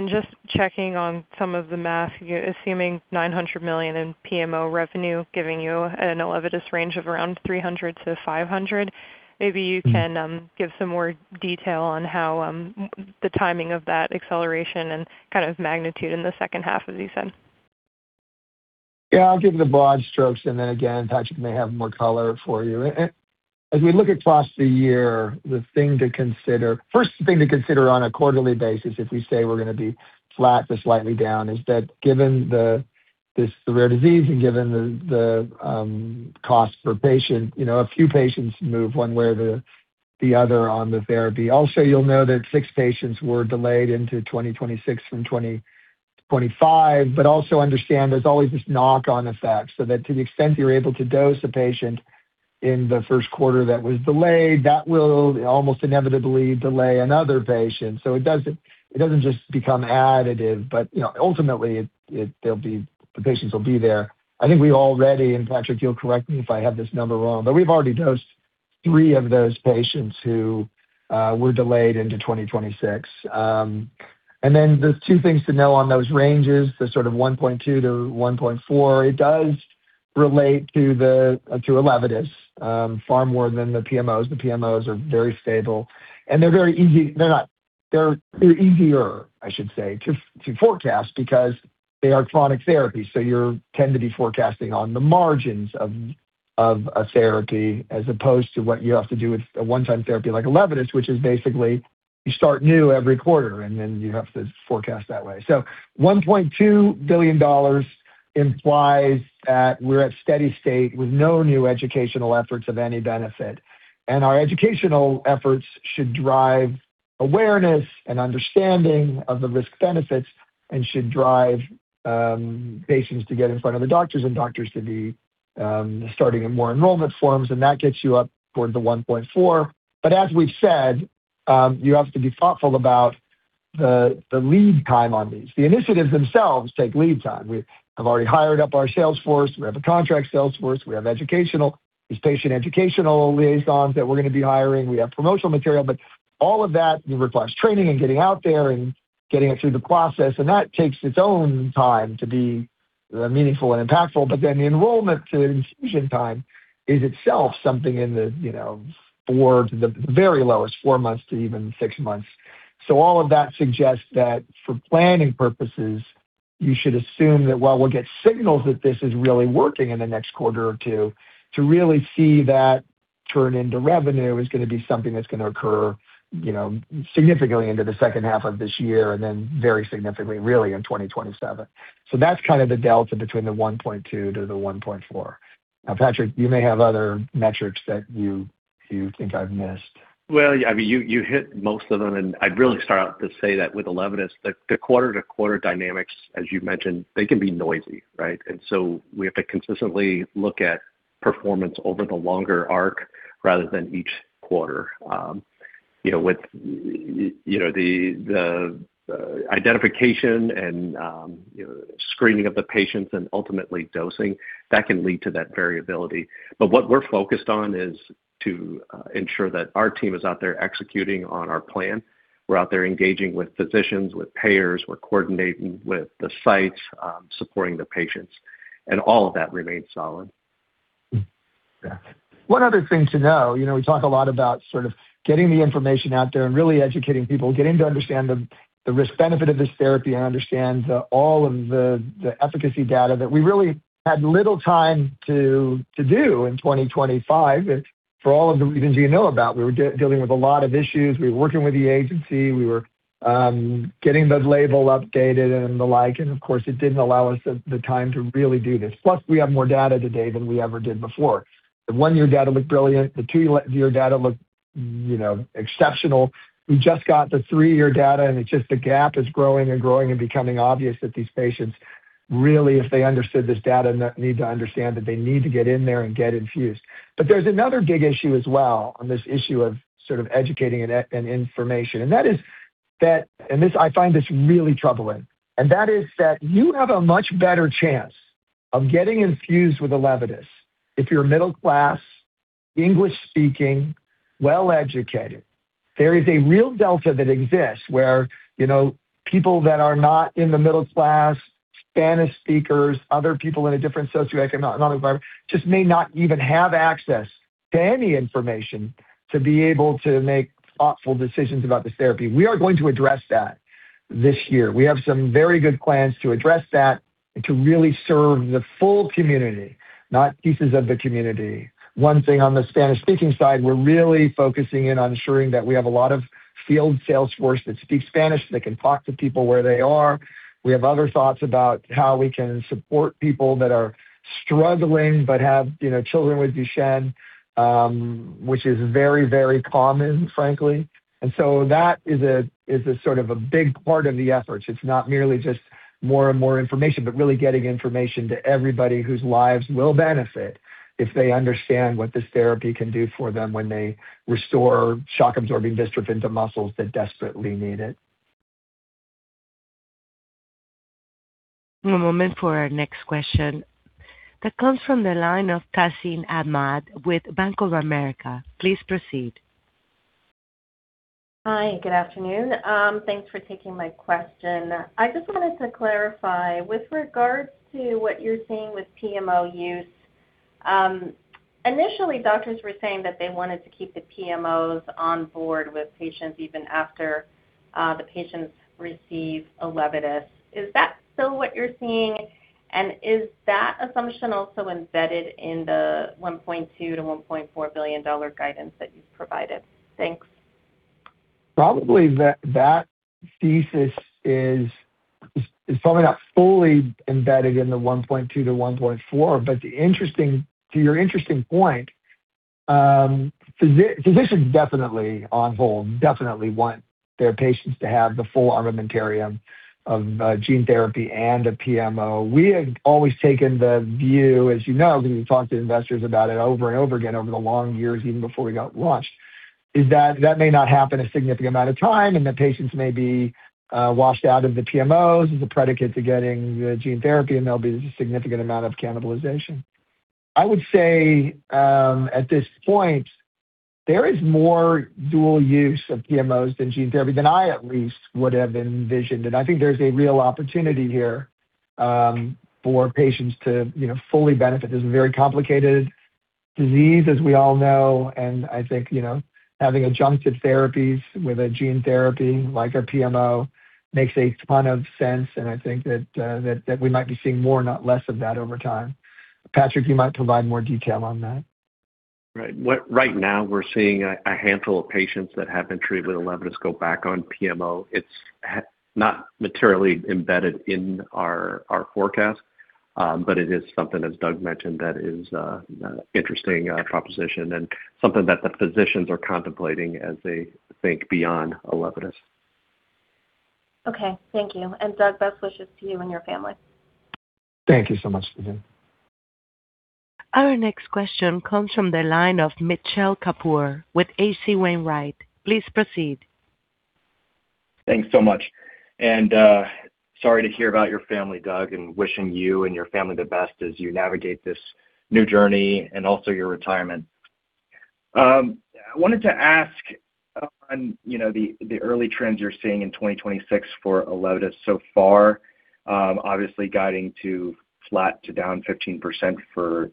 Just checking on some of the math, assuming $900 million in PMO revenue, giving you an ELEVIDYS range of around $300 million-$500 million. Maybe you can give some more detail on how the timing of that acceleration and kind of magnitude in the second half, as you said. Yeah, I'll give the broad strokes, and then again, Patrick may have more color for you. As we look across the year, First thing to consider on a quarterly basis, if we say we're gonna be flat to slightly down, is that given the, this rare disease and given the cost per patient, you know, a few patients move one way or the other on the therapy. Also, you'll know that six patients were delayed into 2026 from 2025, but also understand there's always this knock-on effect, so that to the extent you're able to dose a patient in the first quarter that was delayed, that will almost inevitably delay another patient. It doesn't just become additive, but, you know, ultimately, it, the patients will be there. I think we already, and Patrick, you'll correct me if I have this number wrong, but we've already dosed three of those patients who were delayed into 2026. There's two things to know on those ranges, the sort of 1.2-1.4. It does relate to the, to ELEVIDYS, far more than the PMOs. The PMOs are very stable, they're easier, I should say, to forecast because they are chronic therapies. You're tend to be forecasting on the margins of a therapy, as opposed to what you have to do with a one-time therapy like ELEVIDYS, which is basically you start new every quarter, you have to forecast that way. $1.2 billion implies that we're at steady state with no new educational efforts of any benefit. Our educational efforts should drive awareness and understanding of the risk benefits and should drive patients to get in front of the doctors and doctors to be starting more enrollment forms, and that gets you up toward the $1.4 billion. As we've said, you have to be thoughtful about the lead time on these. The initiatives themselves take lead time. We have already hired up our sales force. We have a contract sales force. We have these patient educational liaisons that we're gonna be hiring. We have promotional material, but all of that requires training and getting out there and getting it through the process, and that takes its own time to be meaningful and impactful. The enrollment to infusion time is itself something in the, you know, four to the very lowest, four months to even six months. All of that suggests that for planning purposes, you should assume that while we'll get signals that this is really working in the next quarter or two, to really see that turn into revenue is going to be something that's going to occur, you know, significantly into the second half of this year and then very significantly, really, in 2027. That's kind of the delta between the $1.2-$1.4. Patrick, you may have other metrics that you think I've missed. Well, I mean, you hit most of them, I'd really start out to say that with ELEVIDYS, the quarter-to-quarter dynamics, as you mentioned, they can be noisy, right? We have to consistently look at performance over the longer arc rather than each quarter. You know, with, you know, the identification and, you know, screening of the patients and ultimately dosing, that can lead to that variability. What we're focused on is to ensure that our team is out there executing on our plan. We're out there engaging with physicians, with payers. We're coordinating with the sites, supporting the patients, and all of that remains solid. Yeah. One other thing to know, you know, we talk a lot about sort of getting the information out there and really educating people, getting to understand the risk-benefit of this therapy and understand all of the efficacy data that we really had little time to do in 2025. For all of the reasons you know about, we were dealing with a lot of issues. We were working with the agency. We were getting the label updated and the like. Of course, it didn't allow us the time to really do this. Plus, we have more data today than we ever did before. The one-year data looked brilliant. The two-year data looked, you know, exceptional. We just got the three-year data, and it's just the gap is growing and growing and becoming obvious that these patients really, if they understood this data, need to understand that they need to get in there and get infused. There's another big issue as well on this issue of sort of educating and information, and that is that. This, I find this really troubling, and that is that you have a much better chance of getting infused with ELEVIDYS if you're middle class, English speaking, well educated. There is a real delta that exists where, you know, people that are not in the middle class, Spanish speakers, other people in a different socioeconomic environment, just may not even have access to any information to be able to make thoughtful decisions about this therapy. We are going to address that this year. We have some very good plans to address that and to really serve the full community, not pieces of the community. One thing on the Spanish-speaking side, we're really focusing in on ensuring that we have a lot of field sales force that speaks Spanish, that can talk to people where they are. We have other thoughts about how we can support people that are struggling but have, you know, children with Duchenne, which is very, very common, frankly. That is a, is a sort of a big part of the efforts. It's not merely just more and more information, but really getting information to everybody whose lives will benefit if they understand what this therapy can do for them when they restore shock-absorbing dystrophin to muscles that desperately need it. One moment for our next question. That comes from the line of Tazeen Ahmad with Bank of America. Please proceed. Hi, good afternoon. Thanks for taking my question. I just wanted to clarify, with regards to what you're seeing with PMO use, initially, doctors were saying that they wanted to keep the PMOs on board with patients even after the patients receive ELEVIDYS. Is that still what you're seeing? Is that assumption also embedded in the $1.2 billion-$1.4 billion guidance that you've provided? Thanks. Probably that thesis is probably not fully embedded in the 1.2-1.4. To your interesting point, physicians on hold, definitely want their patients to have the full armamentarium of gene therapy and a PMO. We have always taken the view, as you know, we've talked to investors about it over and over again over the long years, even before we got launched, is that that may not happen a significant amount of time, and the patients may be washed out of the PMOs as a predicate to getting the gene therapy, and there'll be a significant amount of cannibalization. I would say, at this point, there is more dual use of PMOs than gene therapy than I at least would have envisioned, and I think there's a real opportunity here, for patients to, you know, fully benefit. This is a very complicated disease, as we all know, and I think, you know, having adjunctive therapies with a gene therapy like our PMO makes a ton of sense, and I think that we might be seeing more, not less, of that over time. Patrick, you might provide more detail on that. Right. Right now, we're seeing a handful of patients that have been treated with ELEVIDYS go back on PMO. It's not materially embedded in our forecast, but it is something, as Doug mentioned, that is an interesting proposition and something that the physicians are contemplating as they think beyond ELEVIDYS. Okay, thank you. Doug, best wishes to you and your family. Thank you so much, Tazeen. Our next question comes from the line of Mitchell Kapoor with H.C. Wainwright. Please proceed. Thanks so much. Sorry to hear about your family, Doug, and wishing you and your family the best as you navigate this new journey and also your retirement. I wanted to ask on, you know, the early trends you're seeing in 2026 for ELEVIDYS so far. Obviously guiding to flat to down 15% for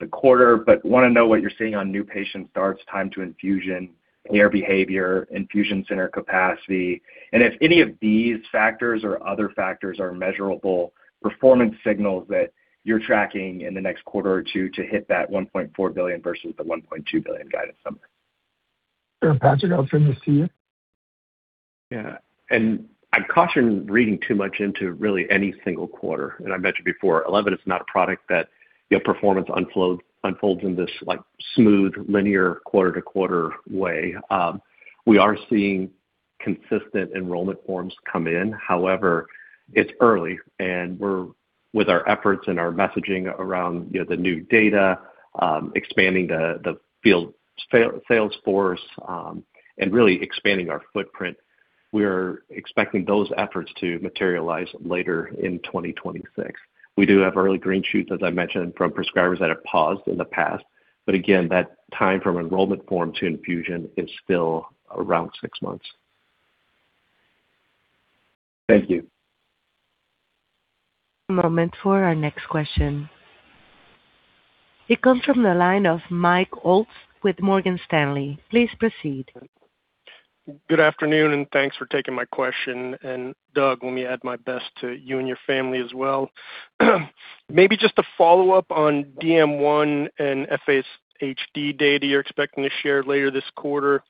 the quarter, but want to know what you're seeing on new patient starts, time to infusion, payer behavior, infusion center capacity, and if any of these factors or other factors are measurable performance signals that you're tracking in the next quarter or two to hit that $1.4 billion versus the $1.2 billion guidance number. Sure, Patrick, I'll turn this to you. I'd caution reading too much into really any single quarter. I mentioned before, ELEVIDYS is not a product that, you know, performance unfolds in this, like, smooth, linear, quarter-to-quarter way. We are seeing consistent enrollment forms come in. However, it's early and we're, with our efforts and our messaging around, you know, the new data, expanding the field sales force, really expanding our footprint, we are expecting those efforts to materialize later in 2026. We do have early green shoots, as I mentioned, from prescribers that have paused in the past, again, that time from enrollment form to infusion is still around six months. Thank you. Moment for our next question. It comes from the line of Michael Ulz with Morgan Stanley. Please proceed. Good afternoon, and thanks for taking my question. Doug, let me add my best to you and your family as well. Maybe just to follow up on DM1 and FSHD data you're expecting to share later this quarter.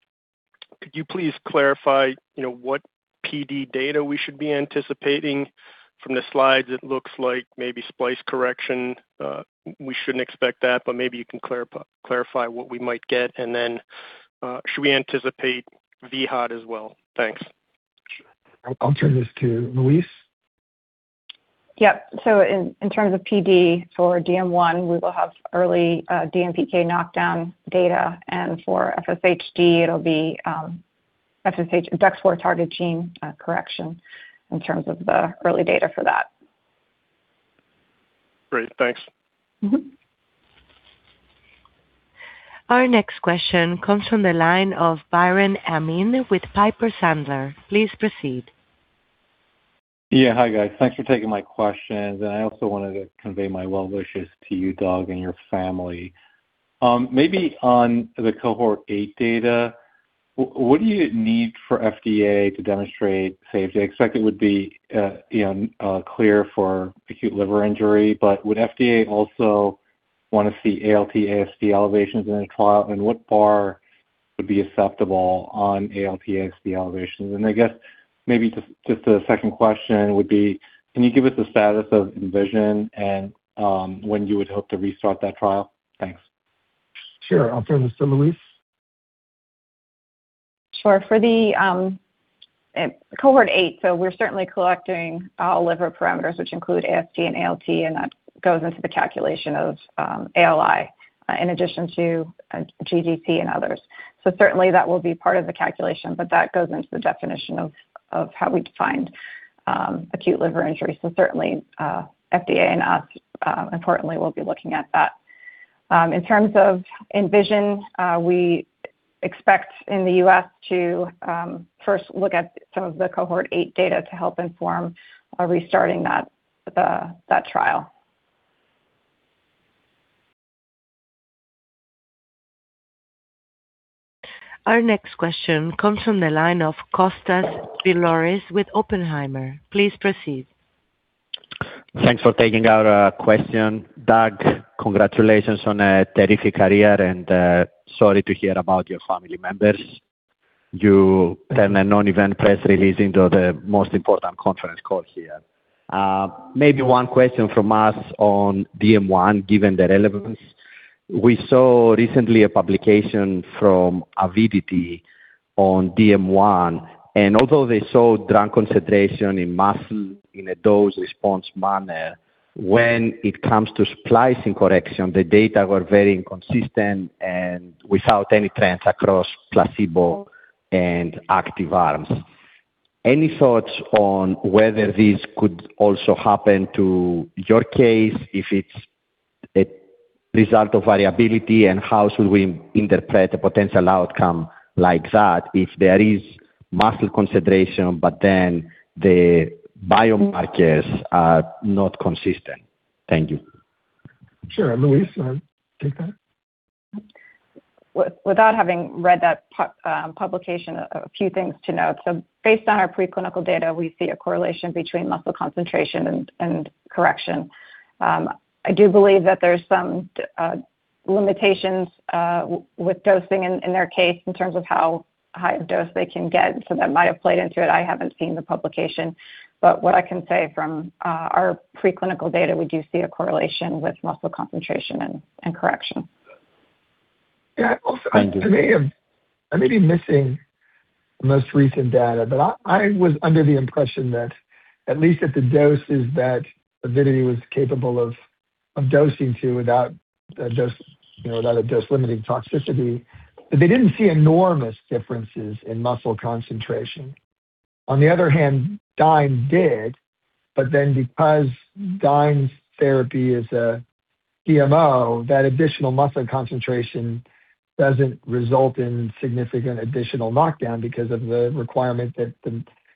Could you please clarify what PD data we should be anticipating? From the slides, it looks like maybe splice correction. We shouldn't expect that, but maybe you can clarify what we might get. Then, should we anticipate vHOT as well? Thanks. I'll turn this to Louise. Yep. In terms of PD for DM1, we will have early DMPK knockdown data, and for FSHD, it'll be DUX4 targeted gene correction in terms of the early data for that. Great. Thanks. Mm-hmm. Our next question comes from the line of Biren Amin with Piper Sandler. Please proceed. Yeah. Hi, guys. Thanks for taking my questions. I also wanted to convey my well wishes to you, Doug, and your family. Maybe on the Cohort 8 data, what do you need for FDA to demonstrate safety? I expect it would be, you know, clear for acute liver injury. Would FDA also want to see ALT/AST elevations in a trial? What bar would be acceptable on ALT/AST elevations? I guess maybe just a second question would be, can you give us the status of ENVISION and when you would hope to restart that trial? Thanks. Sure. I'll turn this to Louise. Sure. For the Cohort 8, we're certainly collecting all liver parameters, which include AST and ALT, and that goes into the calculation of ALI, in addition to GGT and others. Certainly that will be part of the calculation, but that goes into the definition of how we define acute liver injury. Certainly FDA and us, importantly, will be looking at that. In terms of ENVISION, we expect in the U.S. to first look at some of the Cohort 8 data to help inform restarting that trial. Our next question comes from the line of Kostas Biliouris with Oppenheimer. Please proceed. Thanks for taking our question. Doug, congratulations on a terrific career, and sorry to hear about your family members. You had a non-event press release into the most important conference call here. Maybe one question from us on DM1, given the relevance. We saw recently a publication from Avidity on DM1, and although they saw drug concentration in muscle in a dose-response manner, when it comes to splicing correction, the data were very inconsistent and without any trends across placebo and active arms. Any thoughts on whether this could also happen to your case, if it's a result of variability, and how should we interpret a potential outcome like that if there is muscle concentration, but then the biomarkers are not consistent? Thank you. Sure. Louise, take that? Without having read that publication, a few things to note. Based on our preclinical data, we see a correlation between muscle concentration and correction. I do believe that there's some limitations with dosing in their case, in terms of how high a dose they can get, so that might have played into it. I haven't seen the publication, but what I can say from our preclinical data, we do see a correlation with muscle concentration and correction. Yeah. Thank you. I may be missing the most recent data, but I was under the impression that at least at the doses that Avidity was capable of dosing to, without a dose, you know, without a dose-limiting toxicity, they didn't see enormous differences in muscle concentration. Dyne did, but then because Dyne's therapy is a DMO, that additional muscle concentration doesn't result in significant additional knockdown because of the requirement that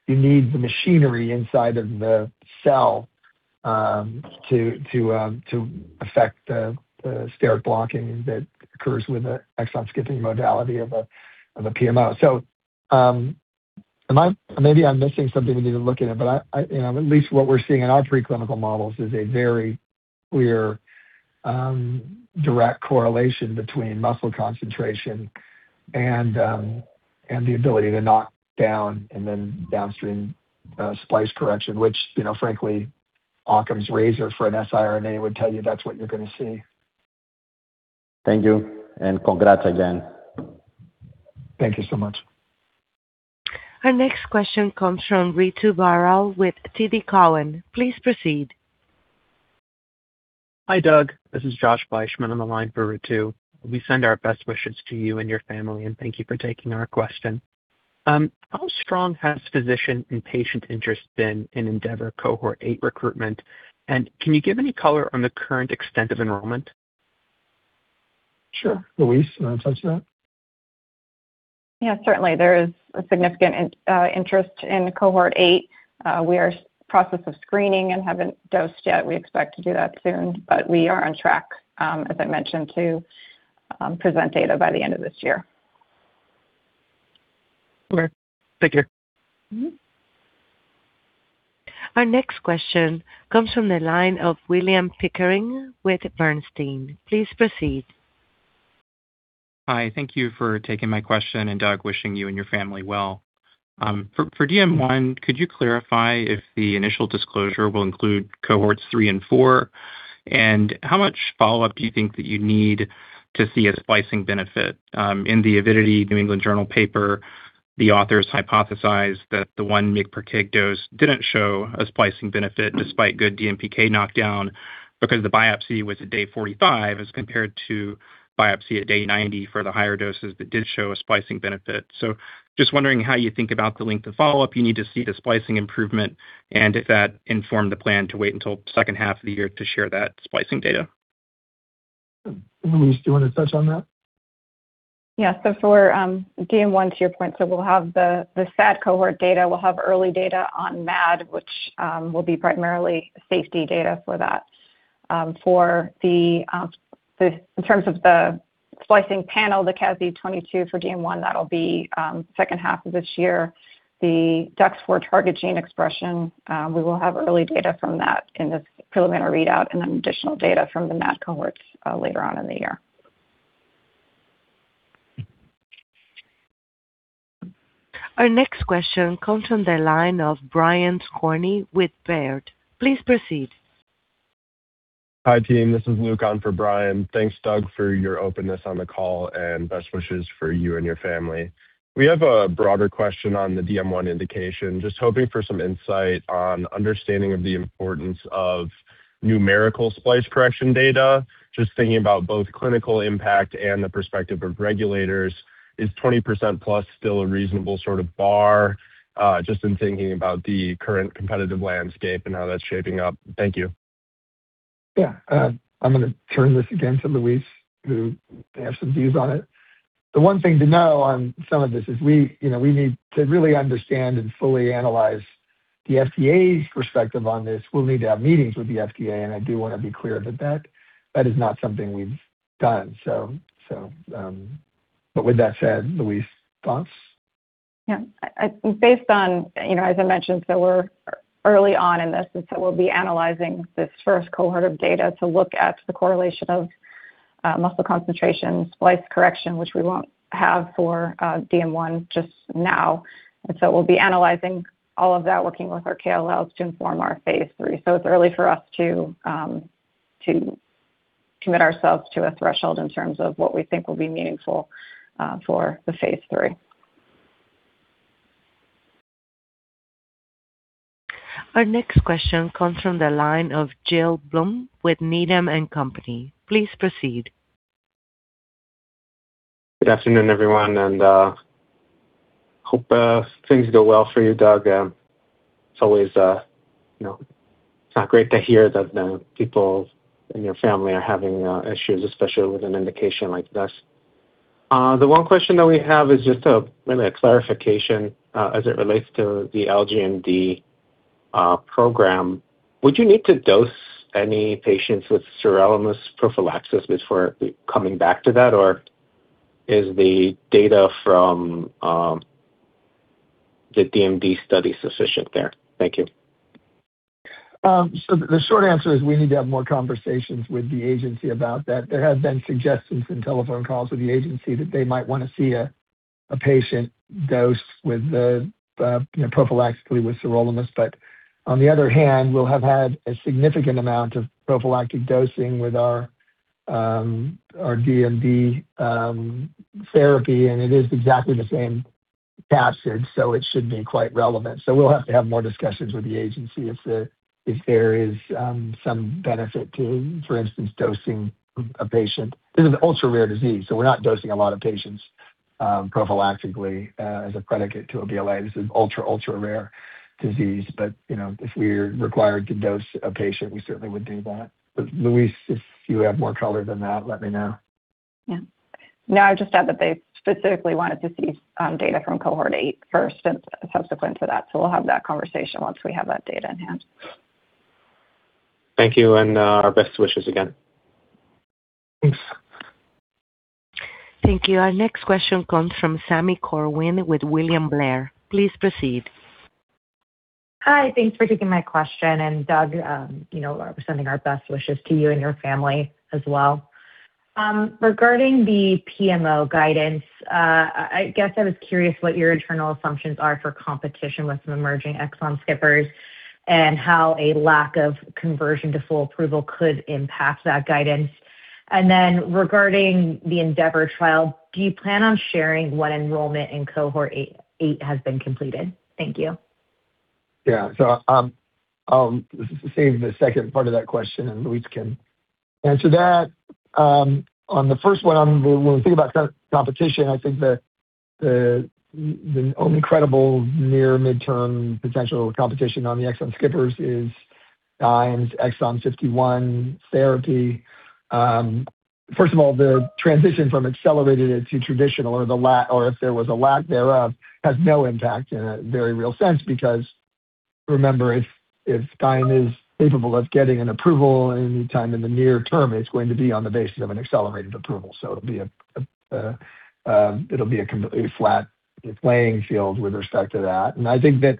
you need the machinery inside of the cell to affect the steric blocking that occurs with the exon-skipping modality of a PMO. Maybe I'm missing something we need to look at, but I, you know, at least what we're seeing in our preclinical models is a very... clear, direct correlation between muscle concentration and the ability to knock down and then downstream, splice correction, which, you know, frankly, Occam's razor for an siRNA would tell you that's what you're going to see. Thank you. Congrats again. Thank you so much. Our next question comes from Ritu Baral with TD Cowen. Please proceed. Hi, Doug. This is Josh Bleichman on the line for Ritu. We send our best wishes to you and your family, and thank you for taking our question. How strong has physician and patient interest been in ENDEAVOR Cohort 8 recruitment? Can you give any color on the current extent of enrollment? Sure. Louise, you want to touch that? Certainly. There is a significant interest in Cohort 8. We are in the process of screening and haven't dosed yet. We expect to do that soon. We are on track, as I mentioned, to present data by the end of this year. Great. Thank you. Mm-hmm. Our next question comes from the line of William Pickering with Bernstein. Please proceed. Hi, thank you for taking my question. Doug, wishing you and your family well. For DM1, could you clarify if the initial disclosure will include cohorts 3 and 4? How much follow-up do you think that you need to see a splicing benefit? In the Avidity The New England Journal of Medicine paper, the authors hypothesized that the 1 mg per kg dose didn't show a splicing benefit despite good DMPK knockdown because the biopsy was at day 45 as compared to biopsy at day 90 for the higher doses that did show a splicing benefit. Just wondering how you think about the length of follow-up you need to see the splicing improvement, and if that informed the plan to wait until second half of the year to share that splicing data. Louise, do you want to touch on that? Yeah. For DM1, to your point, we'll have the SAD cohort data. We'll have early data on MAD, which will be primarily safety data for that. In terms of the splicing panel, the CASI-22 for DM1, that'll be second half of this year. The DEX for target gene expression, we will have early data from that in this preliminary readout and then additional data from the MAD cohorts later on in the year. Our next question comes from the line of Brian Skorney with Baird. Please proceed. Hi, team. This is Luke on for Brian. Thanks, Doug, for your openness on the call, and best wishes for you and your family. We have a broader question on the DM1 indication. Just hoping for some insight on understanding of the importance of numerical splice correction data. Just thinking about both clinical impact and the perspective of regulators, is 20% plus still a reasonable sort of bar? Just in thinking about the current competitive landscape and how that's shaping up. Thank you. Yeah, I'm going to turn this again to Louise, who may have some views on it. The one thing to know on some of this is we, you know, we need to really understand and fully analyze the FDA's perspective on this. We'll need to have meetings with the FDA, and I do want to be clear that is not something we've done. But with that said, Louise, thoughts? Yeah. I, based on, you know, as I mentioned, we're early on in this, we'll be analyzing this first cohort of data to look at the correlation of muscle concentration, splice correction, which we won't have for DM1 just now. We'll be analyzing all of that, working with our KOLs to inform our phase 3. It's early for us to commit ourselves to a threshold in terms of what we think will be meaningful for the phase 3. Our next question comes from the line of Gil Blum with Needham & Company. Please proceed. Good afternoon, everyone, hope things go well for you, Doug. It's always, you know, it's not great to hear that the people in your family are having issues, especially with an indication like this. The one question that we have is just a really a clarification as it relates to the LGMD program. Would you need to dose any patients with sirolimus prophylaxis before coming back to that, or is the data from the DMD study sufficient there? Thank you. The short answer is we need to have more conversations with the agency about that. There have been suggestions and telephone calls with the agency that they might want to see a patient dose with the, you know, prophylactically with sirolimus. On the other hand, we'll have had a significant amount of prophylactic dosing with our DMD therapy, and it is exactly the same passage, so it should be quite relevant. We'll have to have more discussions with the agency if there is some benefit to, for instance, dosing a patient. This is an ultra-rare disease, so we're not dosing a lot of patients prophylactically as a predicate to a BLA. This is an ultra-rare disease, you know, if we're required to dose a patient, we certainly would do that. Louise, if you have more color than that, let me know. Yeah. No, I just add that they specifically wanted to see data from Cohort 8 first and subsequent to that. We'll have that conversation once we have that data in hand. Thank you, and our best wishes again. Thanks. Thank you. Our next question comes from Sami Corwin with William Blair. Please proceed. Hi, thanks for taking my question. Doug, you know, we're sending our best wishes to you and your family as well. Regarding the PMO guidance, I guess I was curious what your internal assumptions are for competition with some emerging exon skippers and how a lack of conversion to full approval could impact that guidance. Regarding the ENDEAVOR trial, do you plan on sharing when enrollment in Cohort 8 has been completed? Thank you. Yeah. I'll save the second part of that question. Louise can answer that. On the first one, when we think about co-competition, I think the only credible near midterm potential competition on the exon skippers is Dianne's EXONDYS 51 therapy. First of all, the transition from accelerated to traditional, or if there was a lack thereof, has no impact in a very real sense, because remember, if Dianne is capable of getting an approval any time in the near term, it's going to be on the basis of an accelerated approval. It'll be a completely flat playing field with respect to that. I think that,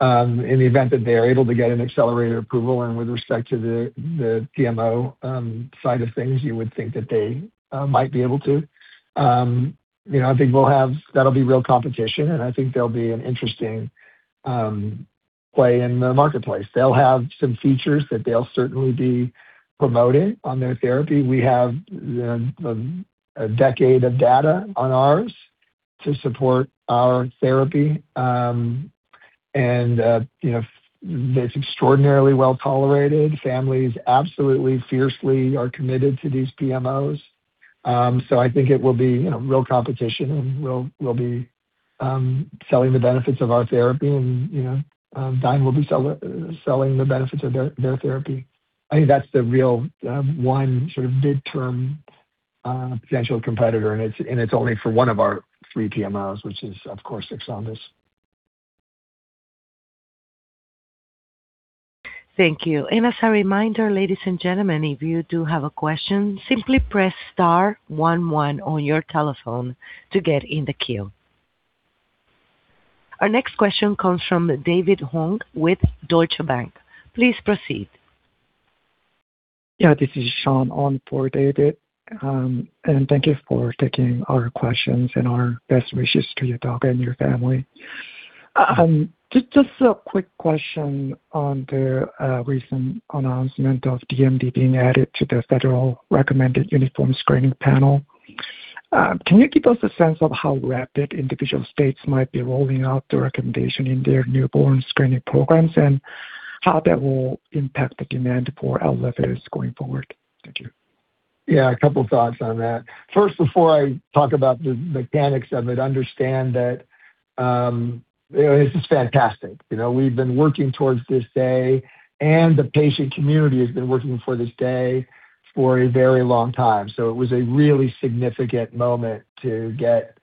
in the event that they are able to get an accelerated approval and with respect to the PMO, side of things, you would think that they might be able to. You know, I think we'll have real competition, and I think they'll be an interesting play in the marketplace. They'll have some features that they'll certainly be promoting on their therapy. We have a decade of data on ours to support our therapy, and, you know, it's extraordinarily well-tolerated. Families absolutely fiercely are committed to these PMOs. I think it will be, you know, real competition, and we'll be selling the benefits of our therapy and, you know, Dianne will be selling the benefits of their therapy. I think that's the real, one sort of midterm, potential competitor, and it's only for one of our three PMOs, which is, of course, EXONDYS. Thank you. As a reminder, ladies and gentlemen, if you do have a question, simply press star one one on your telephone to get in the queue. Our next question comes from David Hong with Deutsche Bank. Please proceed. Yeah, this is Sean on for David, and thank you for taking our questions and our best wishes to you, Doug, and your family. Just a quick question on the recent announcement of DMD being added to the Federal Recommended Uniform Screening Panel. Can you give us a sense of how rapid individual states might be rolling out the recommendation in their newborn screening programs and how that will impact the demand for ELEVIDYS going forward? Thank you. Yeah, a couple thoughts on that. First, before I talk about the mechanics of it, understand that, you know, this is fantastic. You know, we've been working towards this day, and the patient community has been working for this day for a very long time. It was a really significant moment to get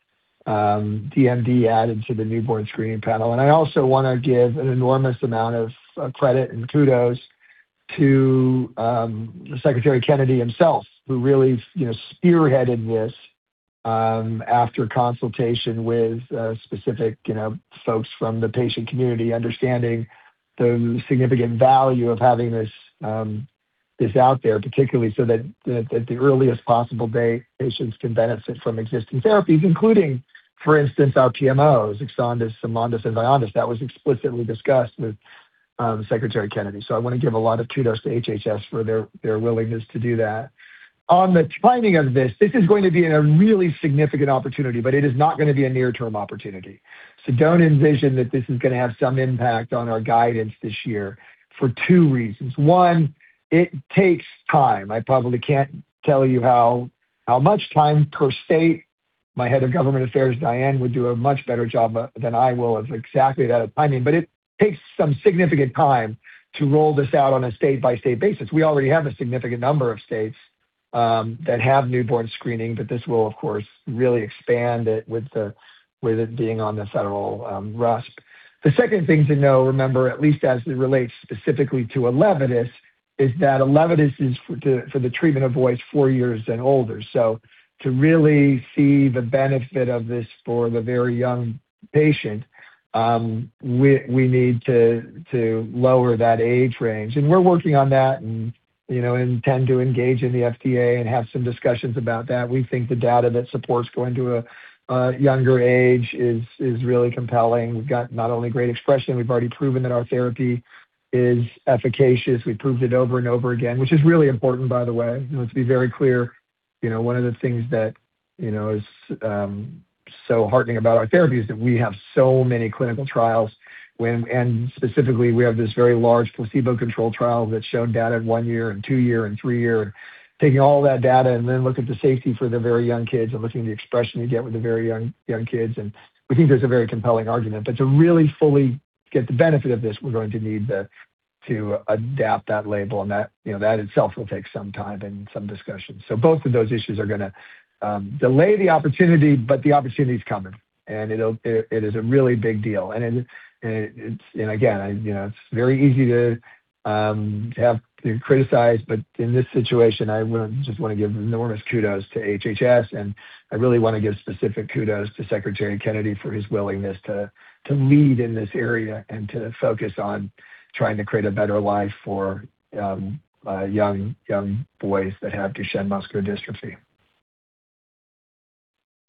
DMD added to the newborn screening panel. I also wanna give an enormous amount of credit and kudos to Secretary Kennedy himself, who really, you know, spearheaded this after consultation with specific, you know, folks from the patient community, understanding the significant value of having this out there, particularly so that the earliest possible day patients can benefit from existing therapies, including, for instance, our PMOs, EXONDYS, AMONDYS, and VYONDYS. That was explicitly discussed with Secretary Kennedy. I want to give a lot of kudos to HHS for their willingness to do that. On the timing of this is going to be a really significant opportunity, but it is not gonna be a near-term opportunity. Don't envision that this is gonna have some impact on our guidance this year, for two reasons: One, it takes time. I probably can't tell you how much time per state. My head of government affairs, Dianne, would do a much better job than I will of exactly that timing. It takes some significant time to roll this out on a state-by-state basis. We already have a significant number of states that have newborn screening, but this will, of course, really expand it with it being on the federal RUSP. The second thing to know, remember, at least as it relates specifically to ELEVIDYS, is that ELEVIDYS is for the treatment of boys 4 years and older. To really see the benefit of this for the very young patient, we need to lower that age range. We're working on that and, you know, intend to engage in the FDA and have some discussions about that. We think the data that supports going to a younger age is really compelling. We've got not only great expression, we've already proven that our therapy is efficacious. We've proved it over and over again, which is really important, by the way. Let's be very clear, you know, one of the things that, you know, is so heartening about our therapy is that we have so many clinical trials and specifically, we have this very large placebo-controlled trial that showed data at one year and two year and three year, and taking all that data and then looking at the safety for the very young kids and looking at the expression you get with the very young kids. We think there's a very compelling argument. To really fully get the benefit of this, we're going to need to adapt that label, and that, you know, that itself will take some time and some discussion. Both of those issues are gonna delay the opportunity, but the opportunity is coming, and it is a really big deal. You know, it's very easy to have to criticize, in this situation, I would just wanna give enormous kudos to HHS, and I really wanna give specific kudos to Secretary Kennedy for his willingness to lead in this area and to focus on trying to create a better life for young boys that have Duchenne muscular dystrophy.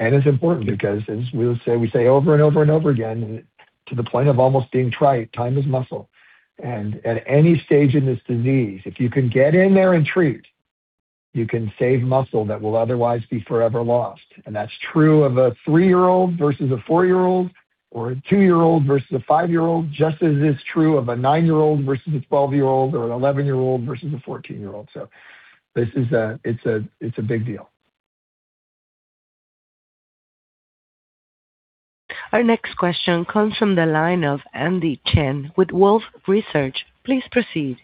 It's important because, as we say over and over and over again, to the point of almost being trite, time is muscle. At any stage in this disease, if you can get in there and treat, you can save muscle that will otherwise be forever lost. That's true of a three-year-old versus a four-year-old, or a two-year-old versus a five-year-old, just as it is true of a nine-year-old versus a 12-year-old, or an 11-year-old versus a 14-year-old. This is a, it's a, it's a big deal. Our next question comes from the line of Andy Chen with Wolfe Research. Please proceed.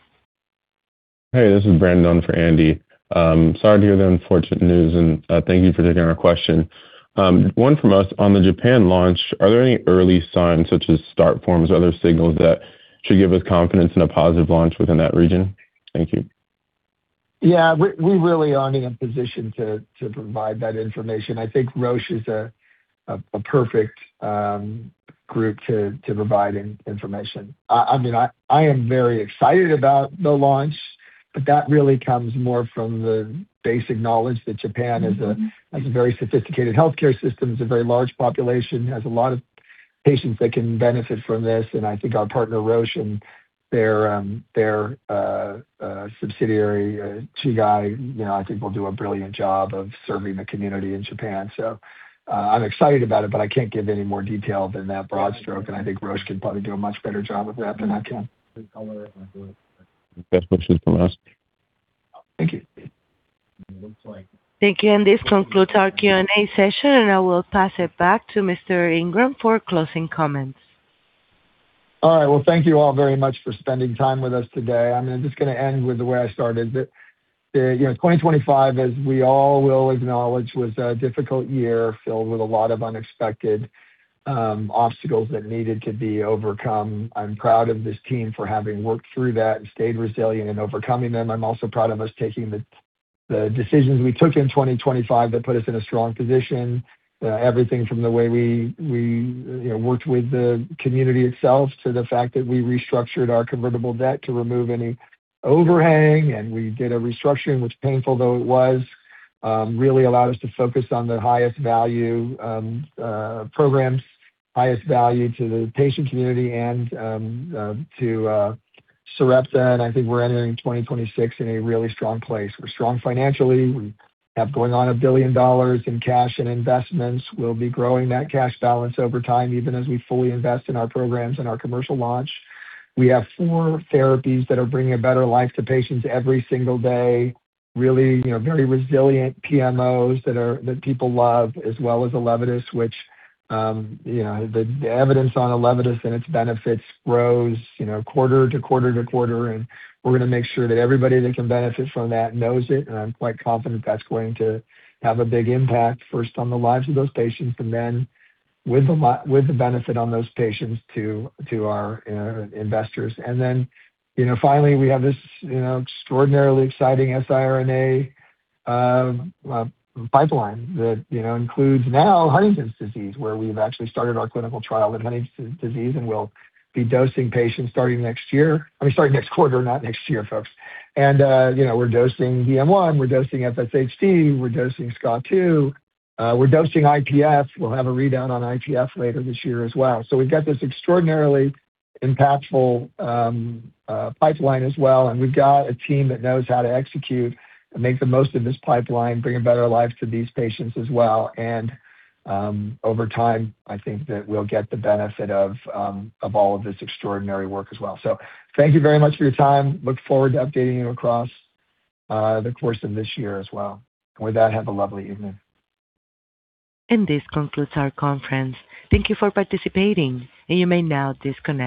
Hey, this is Brandon for Andy. Sorry to hear the unfortunate news, and thank you for taking our question. One from us. On the Japan launch, are there any early signs, such as start forms or other signals that should give us confidence in a positive launch within that region? Thank you. Yeah, we really aren't in a position to provide that information. I think Roche is a perfect group to provide information. I mean, I am very excited about the launch, but that really comes more from the basic knowledge that Japan has a... Mm-hmm. has a very sophisticated healthcare system, it's a very large population, has a lot of patients that can benefit from this. I think our partner, Roche, and their subsidiary, Chugai, you know, I think will do a brilliant job of serving the community in Japan. I'm excited about it, but I can't give any more detail than that broad stroke, and I think Roche can probably do a much better job of that than I can. That's what she's asked. Thank you. Thank you. This concludes our Q&A session, and I will pass it back to Mr. Ingram for closing comments. All right. Well, thank you all very much for spending time with us today. I'm just gonna end with the way I started. The, you know, 2025, as we all will acknowledge, was a difficult year, filled with a lot of unexpected obstacles that needed to be overcome. I'm proud of this team for having worked through that and stayed resilient in overcoming them. I'm also proud of us taking the decisions we took in 2025 that put us in a strong position. Everything from the way we, you know, worked with the community itself, to the fact that we restructured our convertible debt to remove any overhang. We did a restructuring, which painful though it was, really allowed us to focus on the highest value programs, highest value to the patient community and to Sarepta. I think we're entering 2026 in a really strong place. We're strong financially. We have going on $1 billion in cash and investments. We'll be growing that cash balance over time, even as we fully invest in our programs and our commercial launch. We have four therapies that are bringing a better life to patients every single day. Really, you know, very resilient PMOs that people love, as well as ELEVIDYS, which, you know, the evidence on ELEVIDYS and its benefits grows, you know, quarter-to-quarter-to-quarter, and we're gonna make sure that everybody that can benefit from that knows it. I'm quite confident that's going to have a big impact, first on the lives of those patients, and then with the benefit on those patients to our investors. Then, you know, finally, we have this, you know, extraordinarily exciting siRNA pipeline that, you know, includes now Huntington's disease, where we've actually started our clinical trial in Huntington's disease, and we'll be dosing patients starting next year. I mean, starting next quarter, not next year, folks. You know, we're dosing DM1, we're dosing FSHD, we're dosing SCA2, we're dosing IPF. We'll have a readout on IPF later this year as well. We've got this extraordinarily impactful pipeline as well, and we've got a team that knows how to execute and make the most of this pipeline, bringing better lives to these patients as well. Over time, I think that we'll get the benefit of all of this extraordinary work as well. Thank you very much for your time. Look forward to updating you across the course of this year as well. With that, have a lovely evening. This concludes our conference. Thank you for participating, and you may now disconnect.